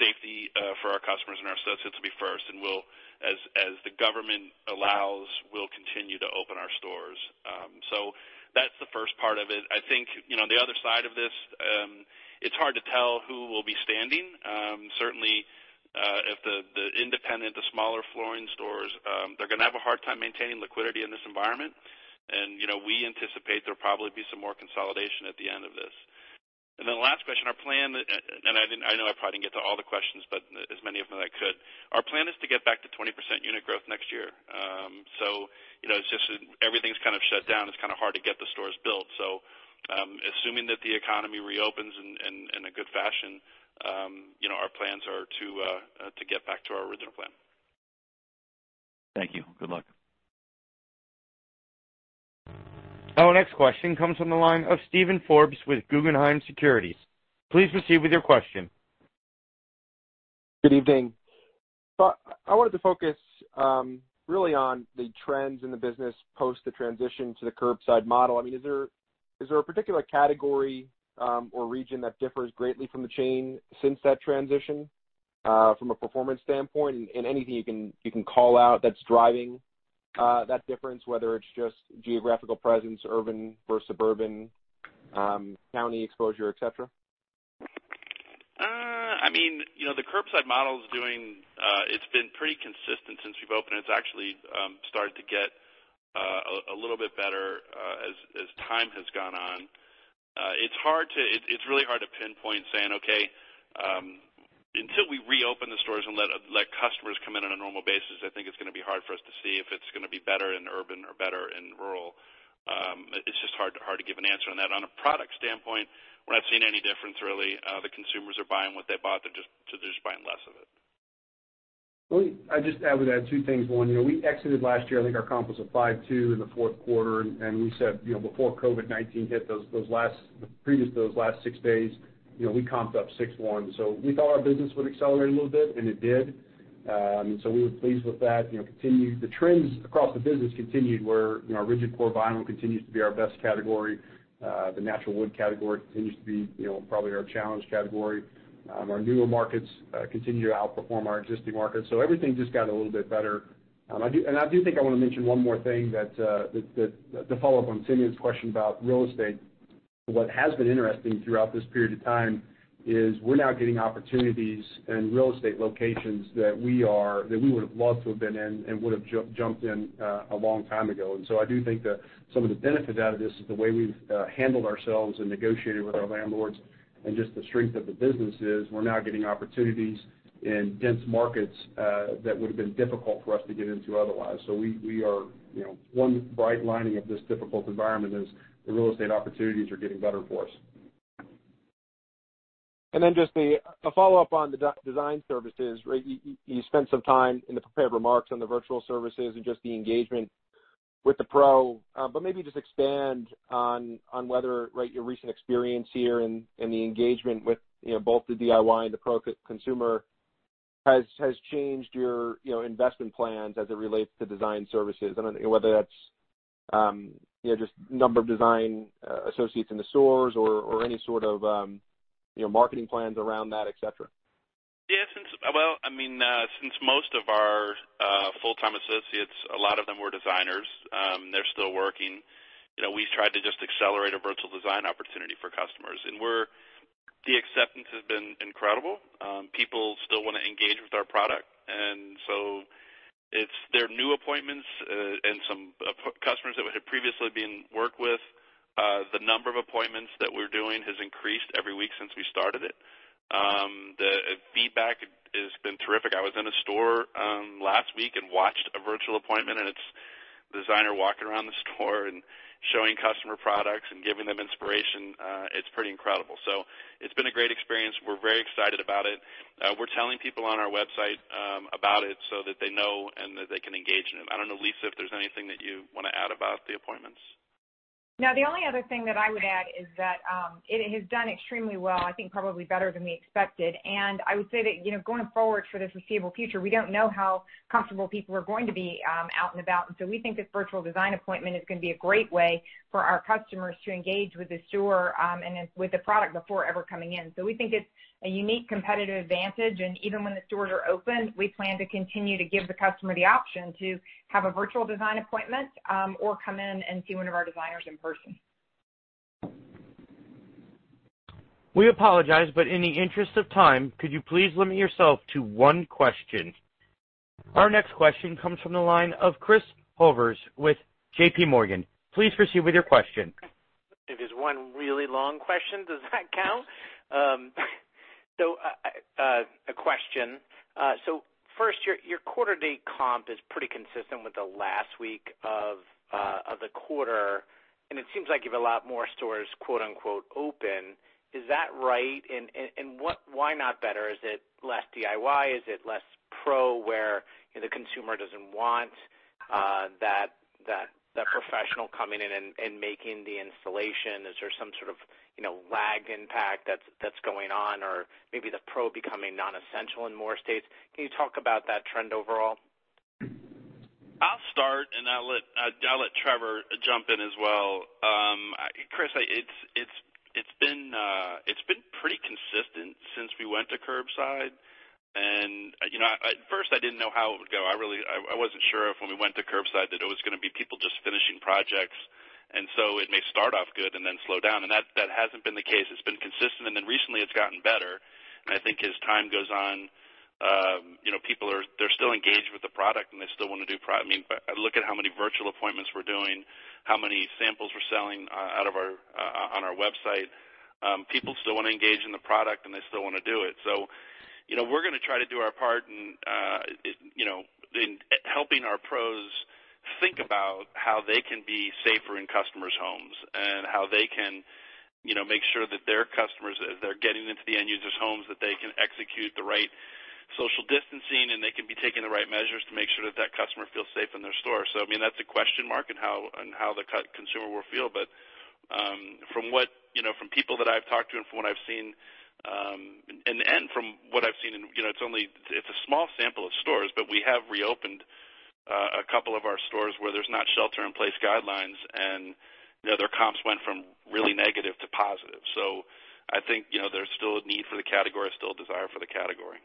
safety for our customers and our associates will be first. We'll, as the government allows, we'll continue to open our stores. That's the first part of it. I think, you know, the other side of this, it's hard to tell who will be standing. Certainly, if the independent, the smaller flooring stores, they're gonna have a hard time maintaining liquidity in this environment. You know, we anticipate there'll probably be some more consolidation at the end of this. The last question. I know I probably didn't get to all the questions, but as many of them as I could. Our plan is to get back to 20% unit growth next year. You know, it's just everything's kind of shut down. It's kind of hard to get the stores built. Assuming that the economy reopens in a good fashion, you know, our plans are to get back to our original plan. Thank you. Good luck. Our next question comes from the line of Steven Forbes with Guggenheim Securities. Please proceed with your question. Good evening. I wanted to focus really on the trends in the business post the transition to the curbside model. I mean, is there a particular category or region that differs greatly from the chain since that transition from a performance standpoint? Anything you can call out that's driving that difference, whether it's just geographical presence, urban versus suburban, county exposure, et cetera? I mean, you know, the curbside model is doing, it's been pretty consistent since we've opened. It's actually started to get a little bit better as time has gone on. It's really hard to pinpoint saying, okay, until we reopen the stores and let customers come in on a normal basis, I think it's gonna be hard for us to see if it's gonna be better in urban or better in rural. It's just hard to give an answer on that. On a product standpoint, we're not seeing any difference really. The consumers are buying what they bought, they're just buying less of it. I'd just add two things. One, you know, we exited last year, I think our comp was a 5.2% in the fourth quarter, and we said, you know, before COVID-19 hit those last six days, you know, we comped up 6.1%. We thought our business would accelerate a little bit, and it did. We were pleased with that. You know, the trends across the business continued where, you know, rigid core vinyl continues to be our best category. The natural wood category continues to be, you know, probably our challenge category. Our newer markets continue to outperform our existing markets. Everything just got a little bit better. I do, and I do think I wanna mention one more thing that to follow up on Simeon's question about real estate. What has been interesting throughout this period of time is we're now getting opportunities in real estate locations that we are, that we would have loved to have been in and would have jumped in a long time ago. I do think that some of the benefit out of this is the way we've handled ourselves and negotiated with our landlords and just the strength of the businesses, we're now getting opportunities in dense markets that would've been difficult for us to get into otherwise. We are, you know, one bright lining of this difficult environment is the real estate opportunities are getting better for us. Just a follow-up on the design services, right? You spent some time in the prepared remarks on the virtual services and just the engagement with the pro. But maybe just expand on whether, right, your recent experience here and the engagement with, you know, both the DIY and the pro consumer has changed your, you know, investment plans as it relates to design services. I don't know whether that's, you know, just number of design associates in the stores or any sort of marketing plans around that, et cetera. Well, I mean, since most of our full-time associates, a lot of them were designers, they're still working. You know, we've tried to just accelerate a virtual design opportunity for customers. The acceptance has been incredible. People still wanna engage with our product, there are new appointments and some customers that we had previously been worked with. The number of appointments that we're doing has increased every week since we started it. The feedback has been terrific. I was in a store last week and watched a virtual appointment, designer walking around the store and showing customer products and giving them inspiration. It's pretty incredible. It's been a great experience. We're very excited about it. We're telling people on our website about it so that they know and that they can engage in it. I don't know, Lisa, if there's anything that you wanna add about the appointments. No, the only other thing that I would add is that, it has done extremely well, I think probably better than we expected. I would say that, you know, going forward for this foreseeable future, we don't know how comfortable people are going to be, out and about. We think this virtual design appointment is gonna be a great way for our customers to engage with the store, and then with the product before ever coming in. We think it's a unique competitive advantage, and even when the stores are open, we plan to continue to give the customer the option to have a virtual design appointment, or come in and see one of our designers in person. We apologize, in the interest of time, could you please limit yourself to one question? Our next question comes from the line of Chris Horvers with JPMorgan. Please proceed with your question. If it's one really long question, does that count? A question. First, your quarter date comp is pretty consistent with the last week of the quarter, and it seems like you have a lot more stores, quote-unquote, open. Is that right? Why not better? Is it less DIY? Is it less pro, where, you know, the consumer doesn't want that the professional coming in and making the installation? Is there some sort of, you know, lag impact that's going on? Or maybe the pro becoming non-essential in more states. Can you talk about that trend overall? I'll start, and I'll let Trevor jump in as well. Chris, it's been pretty consistent since we went to curbside. You know, at first, I didn't know how it would go. I really, I wasn't sure if when we went to curbside that it was gonna be people just finishing projects, and so it may start off good and then slow down, and that hasn't been the case. It's been consistent, and then recently, it's gotten better. I think as time goes on, you know, they're still engaged with the product, and they still wanna do pro. I mean, look at how many virtual appointments we're doing, how many samples we're selling out of our on our website. People still wanna engage in the product, and they still wanna do it. You know, we're gonna try to do our part in, you know, in helping our pros think about how they can be safer in customers' homes and how they can, you know, make sure that their customers, as they're getting into the end users' homes, that they can execute the right social distancing and they can be taking the right measures to make sure that that customer feels safe in their store. I mean, that's a question mark in how, on how the consumer will feel. From what, you know, from people that I've talked to and from what I've seen, and from what I've seen in, you know, it's only, it's a small sample of stores, but we have reopened, a couple of our stores where there's not shelter-in-place guidelines, and, you know, their comps went from really negative to positive. I think, you know, there's still a need for the category, still a desire for the category.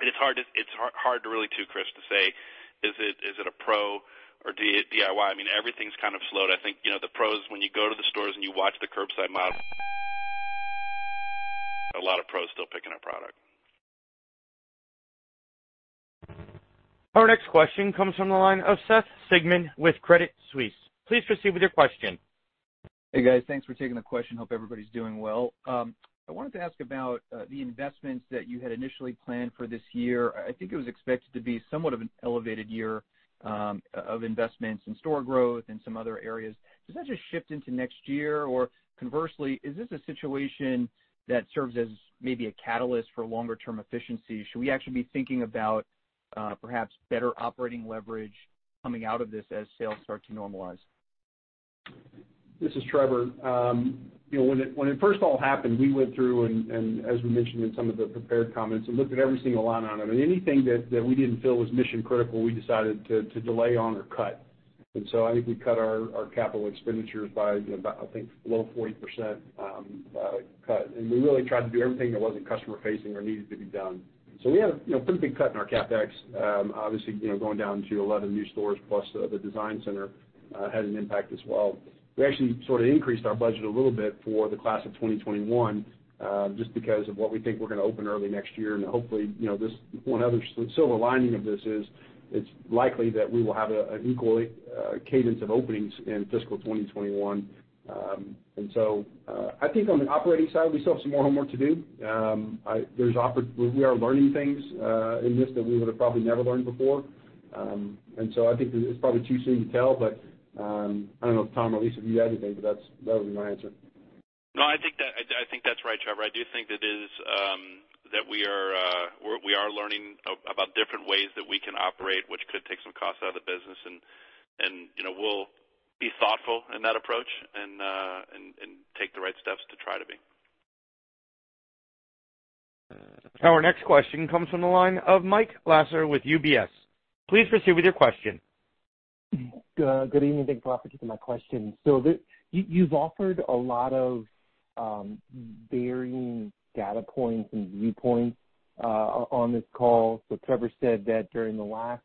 It's hard to really, too, Chris, to say, is it a pro or DIY? I mean, everything's kind of slowed. I think, you know, the pros, when you go to the stores and you watch the curbside model a lot of pros still picking our product. Our next question comes from the line of Seth Sigman with Credit Suisse. Please proceed with your question. Hey, guys. Thanks for taking the question. Hope everybody's doing well. I wanted to ask about the investments that you had initially planned for this year. I think it was expected to be somewhat of an elevated year of investments and store growth and some other areas. Does that just shift into next year? Or conversely, is this a situation that serves as maybe a catalyst for longer-term efficiency? Should we actually be thinking about perhaps better operating leverage coming out of this as sales start to normalize? This is Trevor. You know, when it, when it first all happened, we went through and, as we mentioned in some of the prepared comments, and looked at every single line on it. I mean, anything that we didn't feel was mission critical, we decided to delay on or cut. I think we cut our capital expenditures by, you know, about, I think, a little over 40% cut. We really tried to do everything that wasn't customer-facing or needed to be done. We had, you know, pretty big cut in our CapEx, obviously, you know, going down to 11 new stores plus the design center had an impact as well. We actually sort of increased our budget a little bit for the class of 2021, just because of what we think we're gonna open early next year. Hopefully, you know, this one other silver lining of this is it's likely that we will have an equal cadence of openings in fiscal 2021. I think on the operating side, we still have some more homework to do. We are learning things in this that we would have probably never learned before. I think it's probably too soon to tell, but I don't know if Tom or Lisa, do you have anything? That would be my answer. No, I think that's right, Trevor. I do think it is that we are learning about different ways that we can operate, which could take some costs out of the business and, you know, we'll be thoughtful in that approach and take the right steps to try to be. Our next question comes from the line of Mike Lasser with UBS. Please proceed with your question. Good evening. Thanks a lot for taking my question. You've offered a lot of varying data points and viewpoints on this call. Trevor said that during the last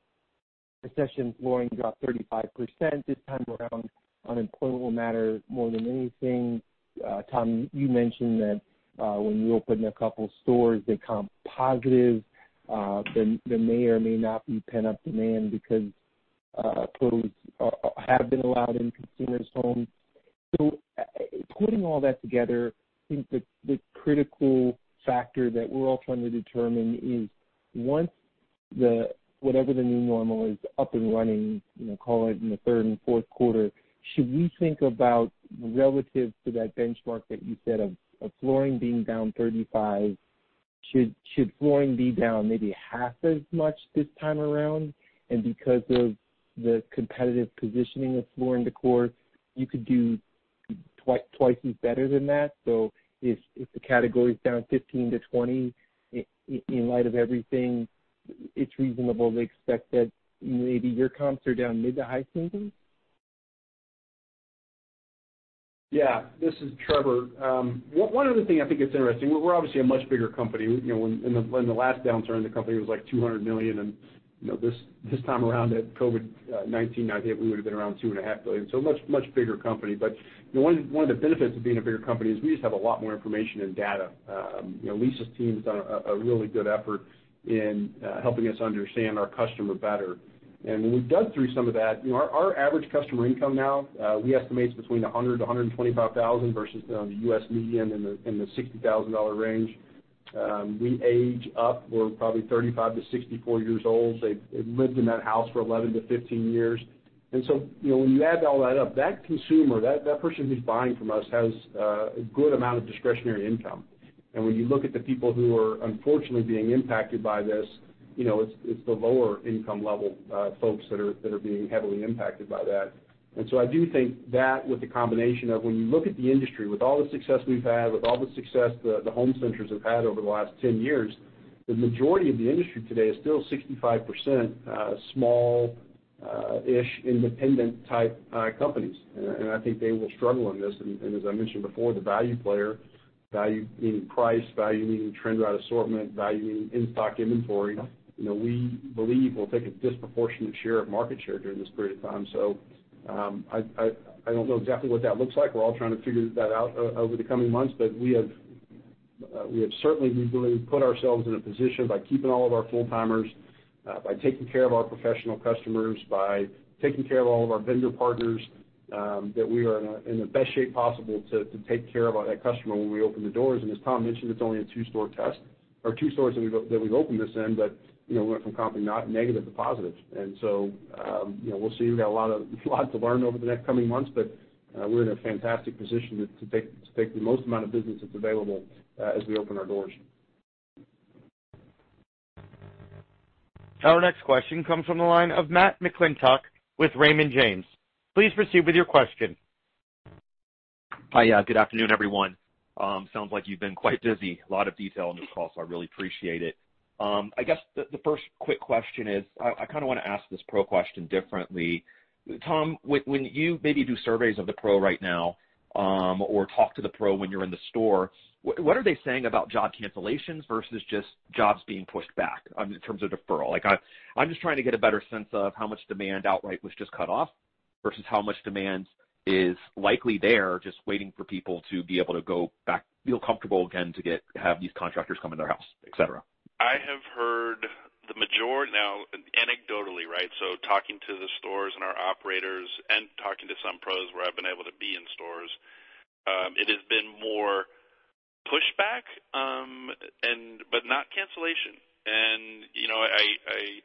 recession, flooring dropped 35%. This time around, unemployment will matter more than anything. Tom, you mentioned that when you open a couple stores, they comp positive. There may or may not be pent-up demand because pros have been allowed in consumers' homes. Putting all that together, I think the critical factor that we're all trying to determine is once the, whatever the new normal is up and running, you know, call it in the third and fourth quarter, should we think about relative to that benchmark that you said of flooring being down 35%, should flooring be down maybe half as much this time around? Because of the competitive positioning of Floor & Decor, you could do twice as better than that. If the category is down 15% to 20%, in light of everything, it's reasonable to expect that maybe your comps are down mid to high single digits. Yeah. This is Trevor. One other thing I think it's interesting, we're obviously a much bigger company. You know, when in the last downturn, the company was, like, $200 million and, you know, this time around at COVID-19, I think we would have been around $2.5 billion, so much bigger company. One of the benefits of being a bigger company is we just have a lot more information and data. You know, Lisa's team has done a really good effort in helping us understand our customer better. When we dug through some of that, you know, our average customer income now, we estimate it's between $100,000 to $125,000 versus, you know, the U.S. median in the $60,000 range. We age up. We're probably 35-64 years old. They've lived in that house for 11-15 years. You know, when you add all that up, that consumer, that person who's buying from us has a good amount of discretionary income. When you look at the people who are unfortunately being impacted by this, you know, it's the lower income level folks that are being heavily impacted by that. I do think that with the combination of when you look at the industry, with all the success we've had, with all the success the home centers have had over the last 10 years, the majority of the industry today is still 65% small-ish independent type companies. I think they will struggle on this. As I mentioned before, the value player, value meaning price, value meaning trend right assortment, value meaning in-stock inventory. You know, we believe we'll take a disproportionate share of market share during this period of time. I don't know exactly what that looks like. We're all trying to figure that out over the coming months. We have certainly, we believe, put ourselves in a position by keeping all of our full-timers, by taking care of our professional customers, by taking care of all of our vendor partners, that we are in the best shape possible to take care of that customer when we open the doors. As Tom mentioned, it's only a two-store test or two stores that we've opened this in, but, you know, went from comping not negative to positive. You know, we'll see. We've got a lot to learn over the next coming months, but we're in a fantastic position to take the most amount of business that's available as we open our doors. Our next question comes from the line of Matt McClintock with Raymond James. Please proceed with your question. Hi. Yeah, good afternoon, everyone. Sounds like you've been quite busy. A lot of detail on this call, so I really appreciate it. I guess the first quick question is, I kinda wanna ask this pro question differently. Tom, when you maybe do surveys of the pro right now, or talk to the pro when you're in the store, what are they saying about job cancellations versus just jobs being pushed back, in terms of deferral? Like, I'm just trying to get a better sense of how much demand outright was just cut off, versus how much demand is likely there just waiting for people to be able to go back, feel comfortable again to have these contractors come in their house, et cetera. I have heard the majority anecdotally, right. Talking to the stores and our operators and talking to some pros where I've been able to be in stores, it has been more pushback, but not cancellation. You know, I,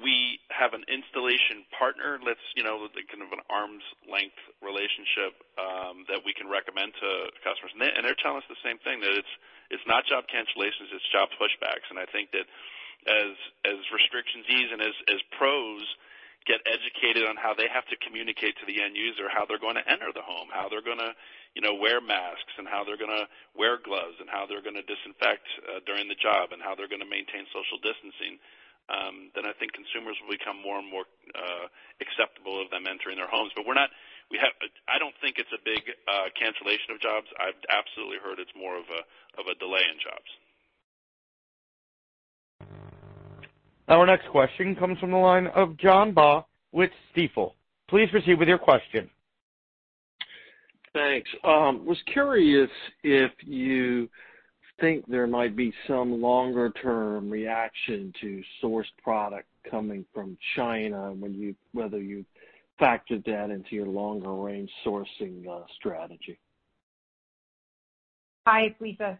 we have an installation partner that's, you know, kind of an arm's length relationship, that we can recommend to customers. They, and they're telling us the same thing, that it's not job cancellations, it's job pushbacks. I think that as restrictions ease and as pros get educated on how they have to communicate to the end user how they're gonna enter the home, how they're gonna, you know, wear masks, and how they're gonna wear gloves, and how they're gonna disinfect during the job and how they're gonna maintain social distancing, then I think consumers will become more and more acceptable of them entering their homes. I don't think it's a big cancellation of jobs. I've absolutely heard it's more of a delay in jobs. Our next question comes from the line of John Baugh with Stifel. Please proceed with your question. Thanks. Was curious if you think there might be some longer-term reaction to sourced product coming from China whether you factored that into your longer range sourcing strategy. Hi, it's Lisa.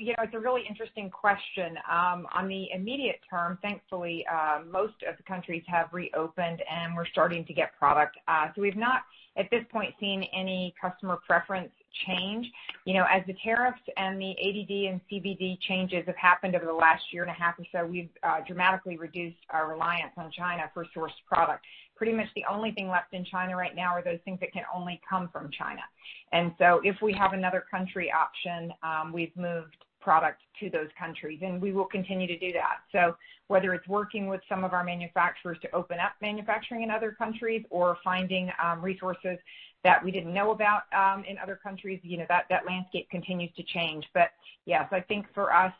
Yeah, it's a really interesting question. On the immediate term, thankfully, most of the countries have reopened, and we're starting to get product. We've not at this point seen any customer preference change. You know, as the tariffs and the ADD and CVD changes have happened over the last year and a half or so, we've dramatically reduced our reliance on China for sourced product. Pretty much the only thing left in China right now are those things that can only come from China. If we have another country option, we've moved product to those countries, and we will continue to do that. Whether it's working with some of our manufacturers to open up manufacturing in other countries or finding resources that we didn't know about in other countries, you know, that landscape continues to change. I think for us,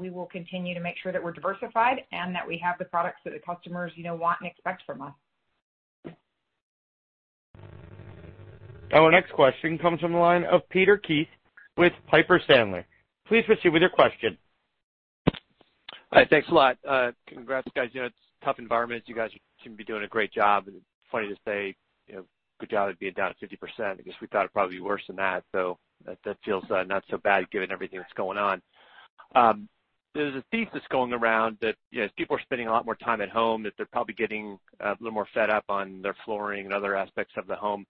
we will continue to make sure that we're diversified and that we have the products that the customers, you know, want and expect from us. Our next question comes from the line of Peter Keith with Piper Sandler. Please proceed with your question. Hi. Thanks a lot. Congrats, guys. You know, it's a tough environment. You guys seem to be doing a great job. Funny to say, you know, good job at being down 50%. I guess we thought it'd probably be worse than that, so that feels not so bad given everything that's going on. There's a thesis going around that, you know, as people are spending a lot more time at home, that they're probably getting a little more fed up on their flooring and other aspects of the home.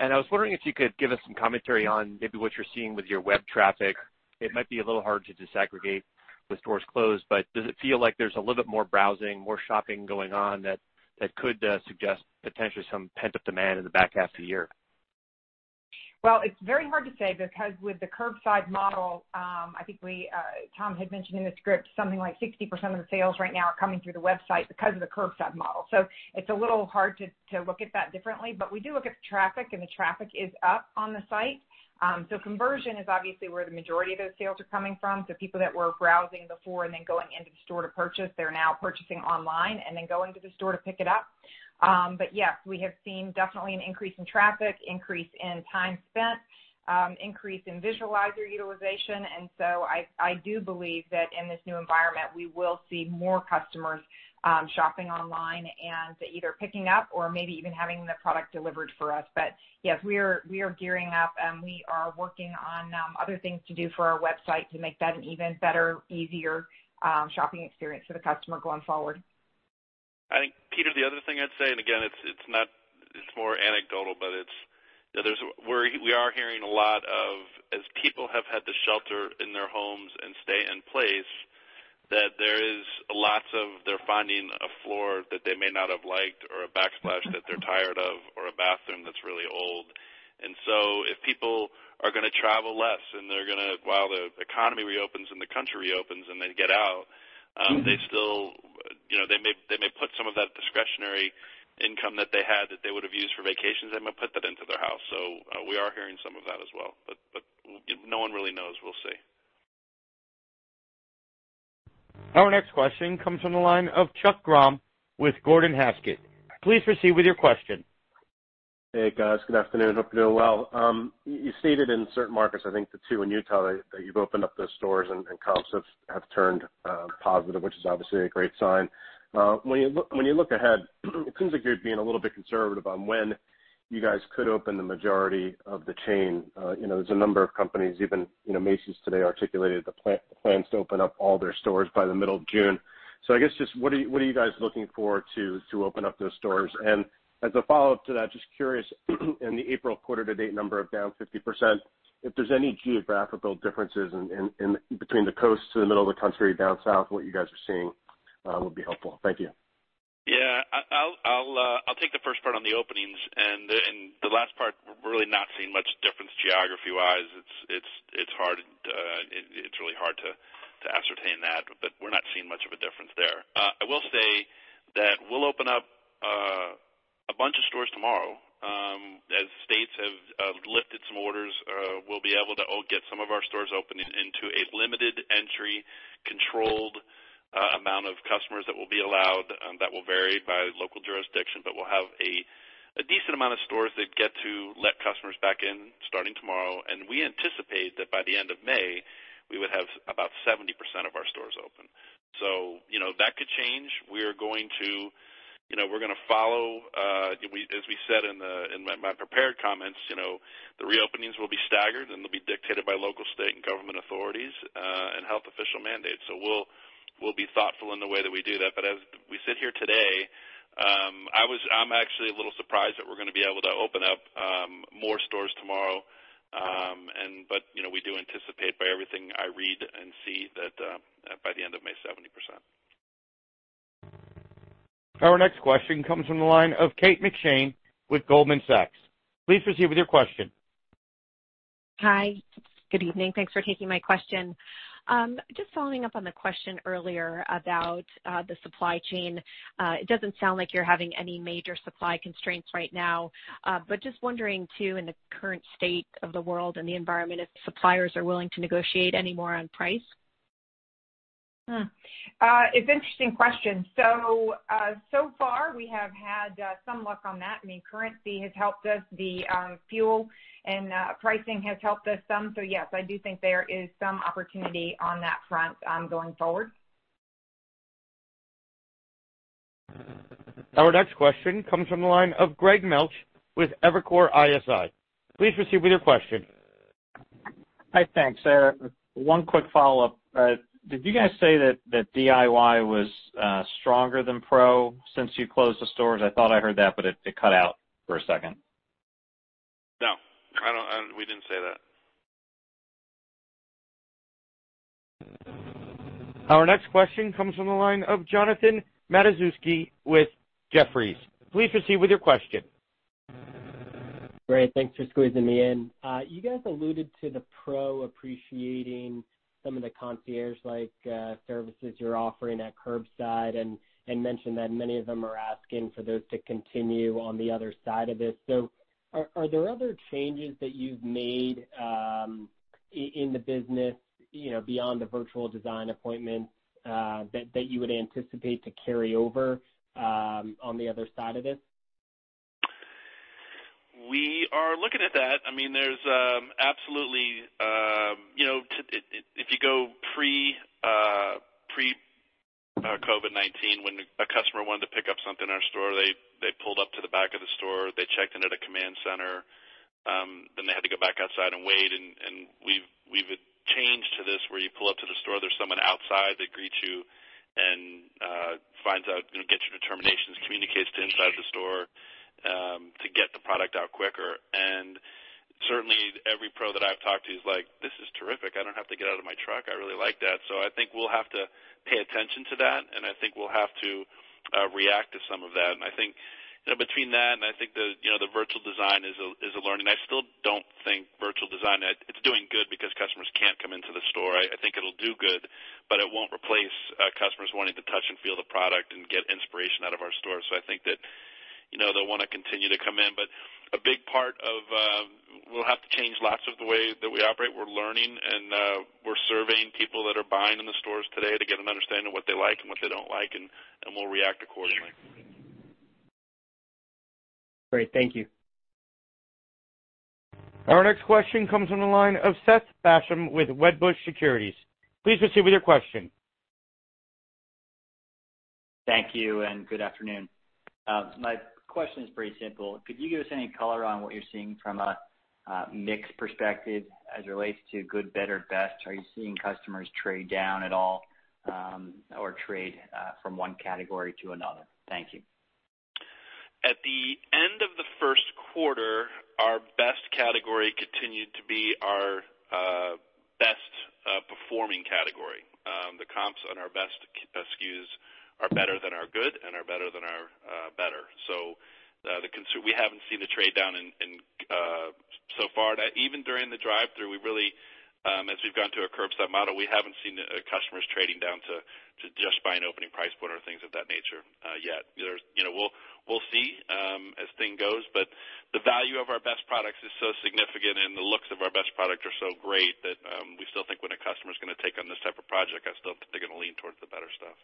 I was wondering if you could give us some commentary on maybe what you're seeing with your web traffic. It might be a little hard to disaggregate with stores closed, but does it feel like there's a little bit more browsing, more shopping going on that could suggest potentially some pent-up demand in the back half of the year? Well, it's very hard to say because with the curbside model, I think we, Tom had mentioned in the script something like 60% of the sales right now are coming through the website because of the curbside model. It's a little hard to look at that differently. We do look at the traffic, and the traffic is up on the site. Conversion is obviously where the majority of those sales are coming from. People that were browsing before and then going into the store to purchase, they're now purchasing online and then going to the store to pick it up. Yes, we have seen definitely an increase in traffic, increase in time spent, increase in visualizer utilization. I do believe that in this new environment, we will see more customers shopping online and either picking up or maybe even having the product delivered for us. Yes, we are gearing up, and we are working on other things to do for our website to make that an even better, easier shopping experience for the customer going forward. I think, Peter, the other thing I'd say, again, it's more anecdotal, you know, we are hearing a lot of, as people have had to shelter in their homes and stay in place, that there is lots of. They're finding a floor that they may not have liked or a backsplash that they're tired of or a bathroom that's really old. If people are gonna travel less, and they're gonna. While the economy reopens and the country reopens and they get out, they still, you know, they may put some of that discretionary income that they had that they would have used for vacations, they might put that into their house. We are hearing some of that as well. No one really knows. We'll see. Our next question comes from the line of Chuck Grom with Gordon Haskett. Please proceed with your question. Hey, guys. Good afternoon. Hope you're doing well. You stated in certain markets, I think the two in Utah, that you've opened up those stores and comps have turned positive, which is obviously a great sign. When you look ahead, it seems like you're being a little bit conservative on when you guys could open the majority of the chain. You know, there's a number of companies, even, you know, Macy's today articulated the plans to open up all their stores by the middle of June. I guess just what are you guys looking for to open up those stores? As a follow-up to that, just curious, in the April quarter to date number of down 50%, if there's any geographical differences in between the coasts to the middle of the country, down south, what you guys are seeing, would be helpful. Thank you. Yeah. I'll take the first part on the openings. The last part, really not seeing much difference geography-wise. It's hard, it's really hard to ascertain that, but we're not seeing much of a difference there. I will say that we'll open up a bunch of stores tomorrow. As states have lifted some orders, we'll be able to get some of our stores opening into a limited entry, controlled amount of customers that will be allowed, that will vary by local jurisdiction. We'll have a decent amount of stores that get to let customers back in starting tomorrow. We anticipate that by the end of May, we would have about 70% of our stores open. You know, that could change. We are going to, you know, we're gonna follow, as we said in my prepared comments, you know, the reopenings will be staggered, and they'll be dictated by local state and government authorities and health official mandates. We'll be thoughtful in the way that we do that. As we sit here today, I'm actually a little surprised that we're gonna be able to open up more stores tomorrow. You know, we do anticipate by everything I read and see that by the end of May, 70%. Our next question comes from the line of Kate McShane with Goldman Sachs. Please proceed with your question. Hi. Good evening. Thanks for taking my question. Just following up on the question earlier about the supply chain. It doesn't sound like you're having any major supply constraints right now, just wondering, too, in the current state of the world and the environment, if suppliers are willing to negotiate any more on price? It's interesting question. So far, we have had some luck on that. I mean, currency has helped us. The fuel and pricing has helped us some. Yes, I do think there is some opportunity on that front, going forward. Our next question comes from the line of Greg Melich with Evercore ISI. Please proceed with your question. Hi. Thanks. One quick follow-up. Did you guys say that DIY was stronger than pro since you closed the stores? I thought I heard that, but it cut out for a second. No. I don't, we didn't say that. Our next question comes from the line of Jonathan Matuszewski with Jefferies. Please proceed with your question. Great. Thanks for squeezing me in. You guys alluded to the pro appreciating some of the concierge-like services you're offering at curbside and mentioned that many of them are asking for those to continue on the other side of this. Are there other changes that you've made in the business, you know, beyond the virtual design appointments that you would anticipate to carry over on the other side of this? We are looking at that. I mean, there's absolutely, you know, If you go pre-COVID-19, when a customer wanted to pick up something in our store, they pulled up to the back of the store, they checked in at a command center, then they had to go back outside and wait. We've changed to this, where you pull up to the store, there's someone outside that greets you and finds out, you know, gets your determinations, communicates to inside the store to get the product out quicker. Certainly, every pro that I've talked to is like, "This is terrific. I don't have to get out of my truck. I really like that." I think we'll have to pay attention to that, and I think we'll have to react to some of that. I think between that and I think the, you know, the virtual design is a, is a learning. I still don't think virtual design It's doing good because customers can't come into the store. I think it'll do good, but it won't replace customers wanting to touch and feel the product and get inspiration out of our stores. I think that, you know, they'll wanna continue to come in. A big part of, we'll have to change lots of the way that we operate. We're learning, and we're surveying people that are buying in the stores today to get an understanding of what they like and what they don't like, and we'll react accordingly. Great. Thank you. Our next question comes from the line of Seth Basham with Wedbush Securities. Please proceed with your question. Thank you, and good afternoon. My question is pretty simple. Could you give us any color on what you're seeing from a mix perspective as it relates to good, better, best? Are you seeing customers trade down at all, or trade from one category to another? Thank you. At the end of the first quarter, our best category continued to be our best performing category. The comps on our best SKUs are better than our good and are better than our better. We haven't seen the trade down in so far. Even during the drive-through, we really, as we've gone to a curbside model, we haven't seen customers trading down to just buy an opening price point or things of that nature yet. You know, we'll see, as thing goes, the value of our best products is so significant, and the looks of our best product are so great that we still think when a customer's gonna take on this type of project, I still think they're gonna lean towards the better stuff.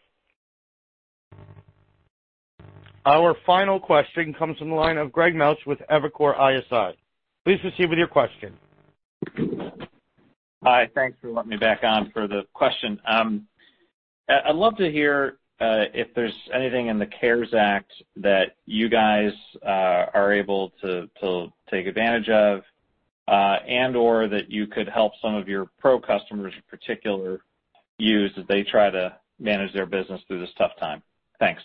Our final question comes from the line of Greg Melich with Evercore ISI. Please proceed with your question. Hi. Thanks for letting me back on for the question. I'd love to hear if there's anything in the CARES Act that you guys are able to take advantage of, and/or that you could help some of your pro customers in particular use as they try to manage their business through this tough time. Thanks.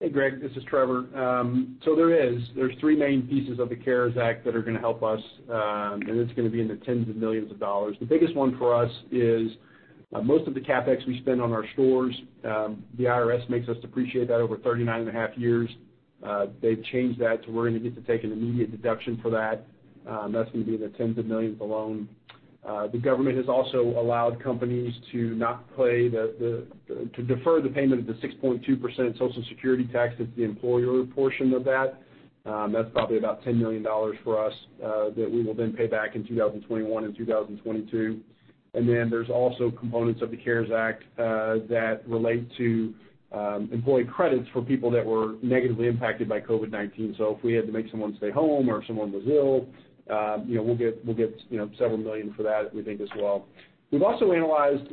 Hey, Greg. This is Trevor. There are three main pieces of the CARES Act that are gonna help us, and it's gonna be in the tens of millions of dollars. The biggest one for us is most of the CapEx we spend on our stores, the IRS makes us depreciate that over 39 and a half years. They've changed that to we're gonna get to take an immediate deduction for that. That's gonna be in the tens of millions alone. The government has also allowed companies to not pay to defer the payment of the 6.2% Social Security tax, it's the employer portion of that. That's probably about $10 million for us that we will then pay back in 2021 and 2022. There's also components of the CARES Act that relate to employee credits for people that were negatively impacted by COVID-19. If we had to make someone stay home or someone was ill, you know, we'll get, you know, several million for that, we think as well. We've also analyzed,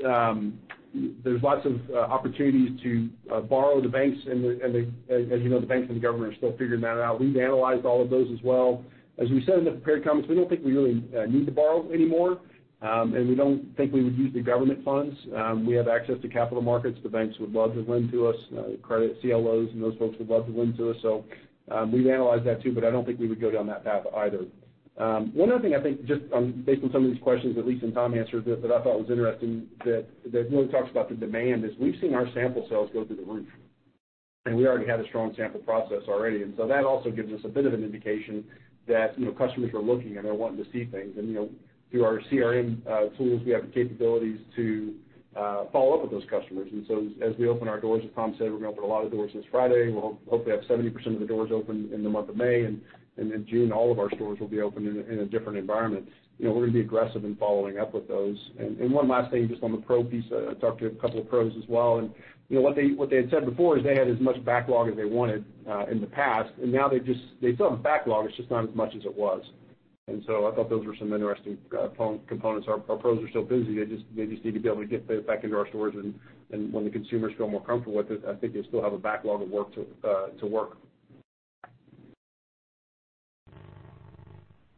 there's lots of opportunities to borrow the banks and the, as you know, the banks and the government are still figuring that out. We've analyzed all of those as well. As we said in the prepared comments, we don't think we really need to borrow anymore, and we don't think we would use the government funds. We have access to capital markets. The banks would love to lend to us, credit CLOs and those folks would love to lend to us. We've analyzed that too, but I don't think we would go down that path either. One other thing, I think, just based on some of these questions that Lisa and Tom answered that I thought was interesting, that really talks about the demand is we've seen our sample sales go through the roof. We already had a strong sample process already. That also gives us a bit of an indication that, you know, customers are looking and are wanting to see things. You know, through our CRM tools, we have the capabilities to follow up with those customers. As we open our doors, as Tom said, we're gonna open a lot of doors this Friday. We'll hopefully have 70% of the doors open in the month of May, and in June, all of our stores will be open in a different environment. You know, we're gonna be aggressive in following up with those. One last thing, just on the pro piece, I talked to a couple of pros as well, and you know, what they had said before is they had as much backlog as they wanted in the past. Now they still have backlog, it's just not as much as it was. I thought those were some interesting phone components. Our pros are still busy. They just need to be able to get back into our stores and when the consumers feel more comfortable with it, I think they still have a backlog of work to work.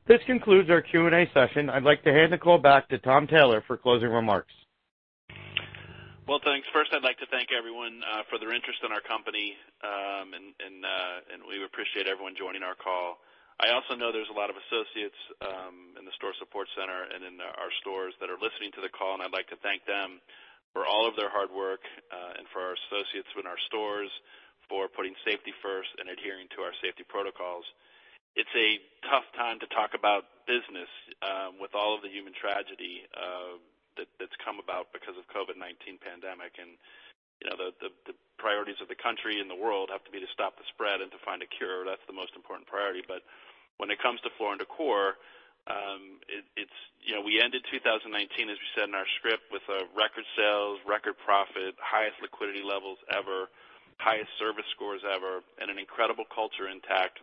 This concludes our Q&A session. I'd like to hand the call back to Tom Taylor for closing remarks. Well, thanks. First, I'd like to thank everyone for their interest in our company. We appreciate everyone joining our call. I also know there's a lot of associates in the store support center and in our stores that are listening to the call, and I'd like to thank them for all of their hard work and for our associates in our stores for putting safety first and adhering to our safety protocols. It's a tough time to talk about business with all of the human tragedy that's come about because of COVID-19 pandemic. You know, the priorities of the country and the world have to be to stop the spread and to find a cure. That's the most important priority. When it comes to Floor & Decor, you know, we ended 2019, as we said in our script, with record sales, record profit, highest liquidity levels ever, highest service scores ever, and an incredible culture intact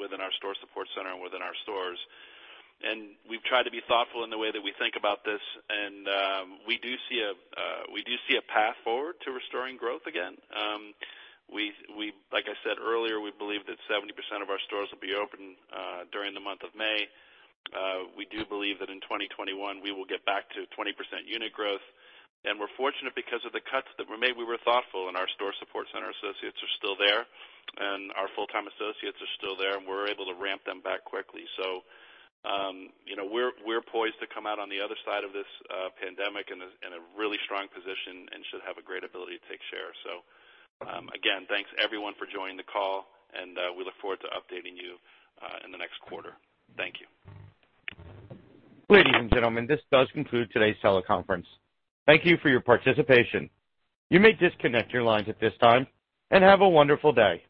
within our store support center and within our stores. We've tried to be thoughtful in the way that we think about this, and we do see a path forward to restoring growth again. We, like I said earlier, we believe that 70% of our stores will be open during the month of May. We do believe that in 2021, we will get back to 20% unit growth. We're fortunate because of the cuts that were made, we were thoughtful, and our store support center associates are still there, and our full-time associates are still there, and we're able to ramp them back quickly. you know, we're poised to come out on the other side of this pandemic in a really strong position and should have a great ability to take share. Again, thanks everyone for joining the call, and we look forward to updating you in the next quarter. Thank you. Ladies and gentlemen, this does conclude today's teleconference. Thank you for your participation. You may disconnect your lines at this time, and have a wonderful day.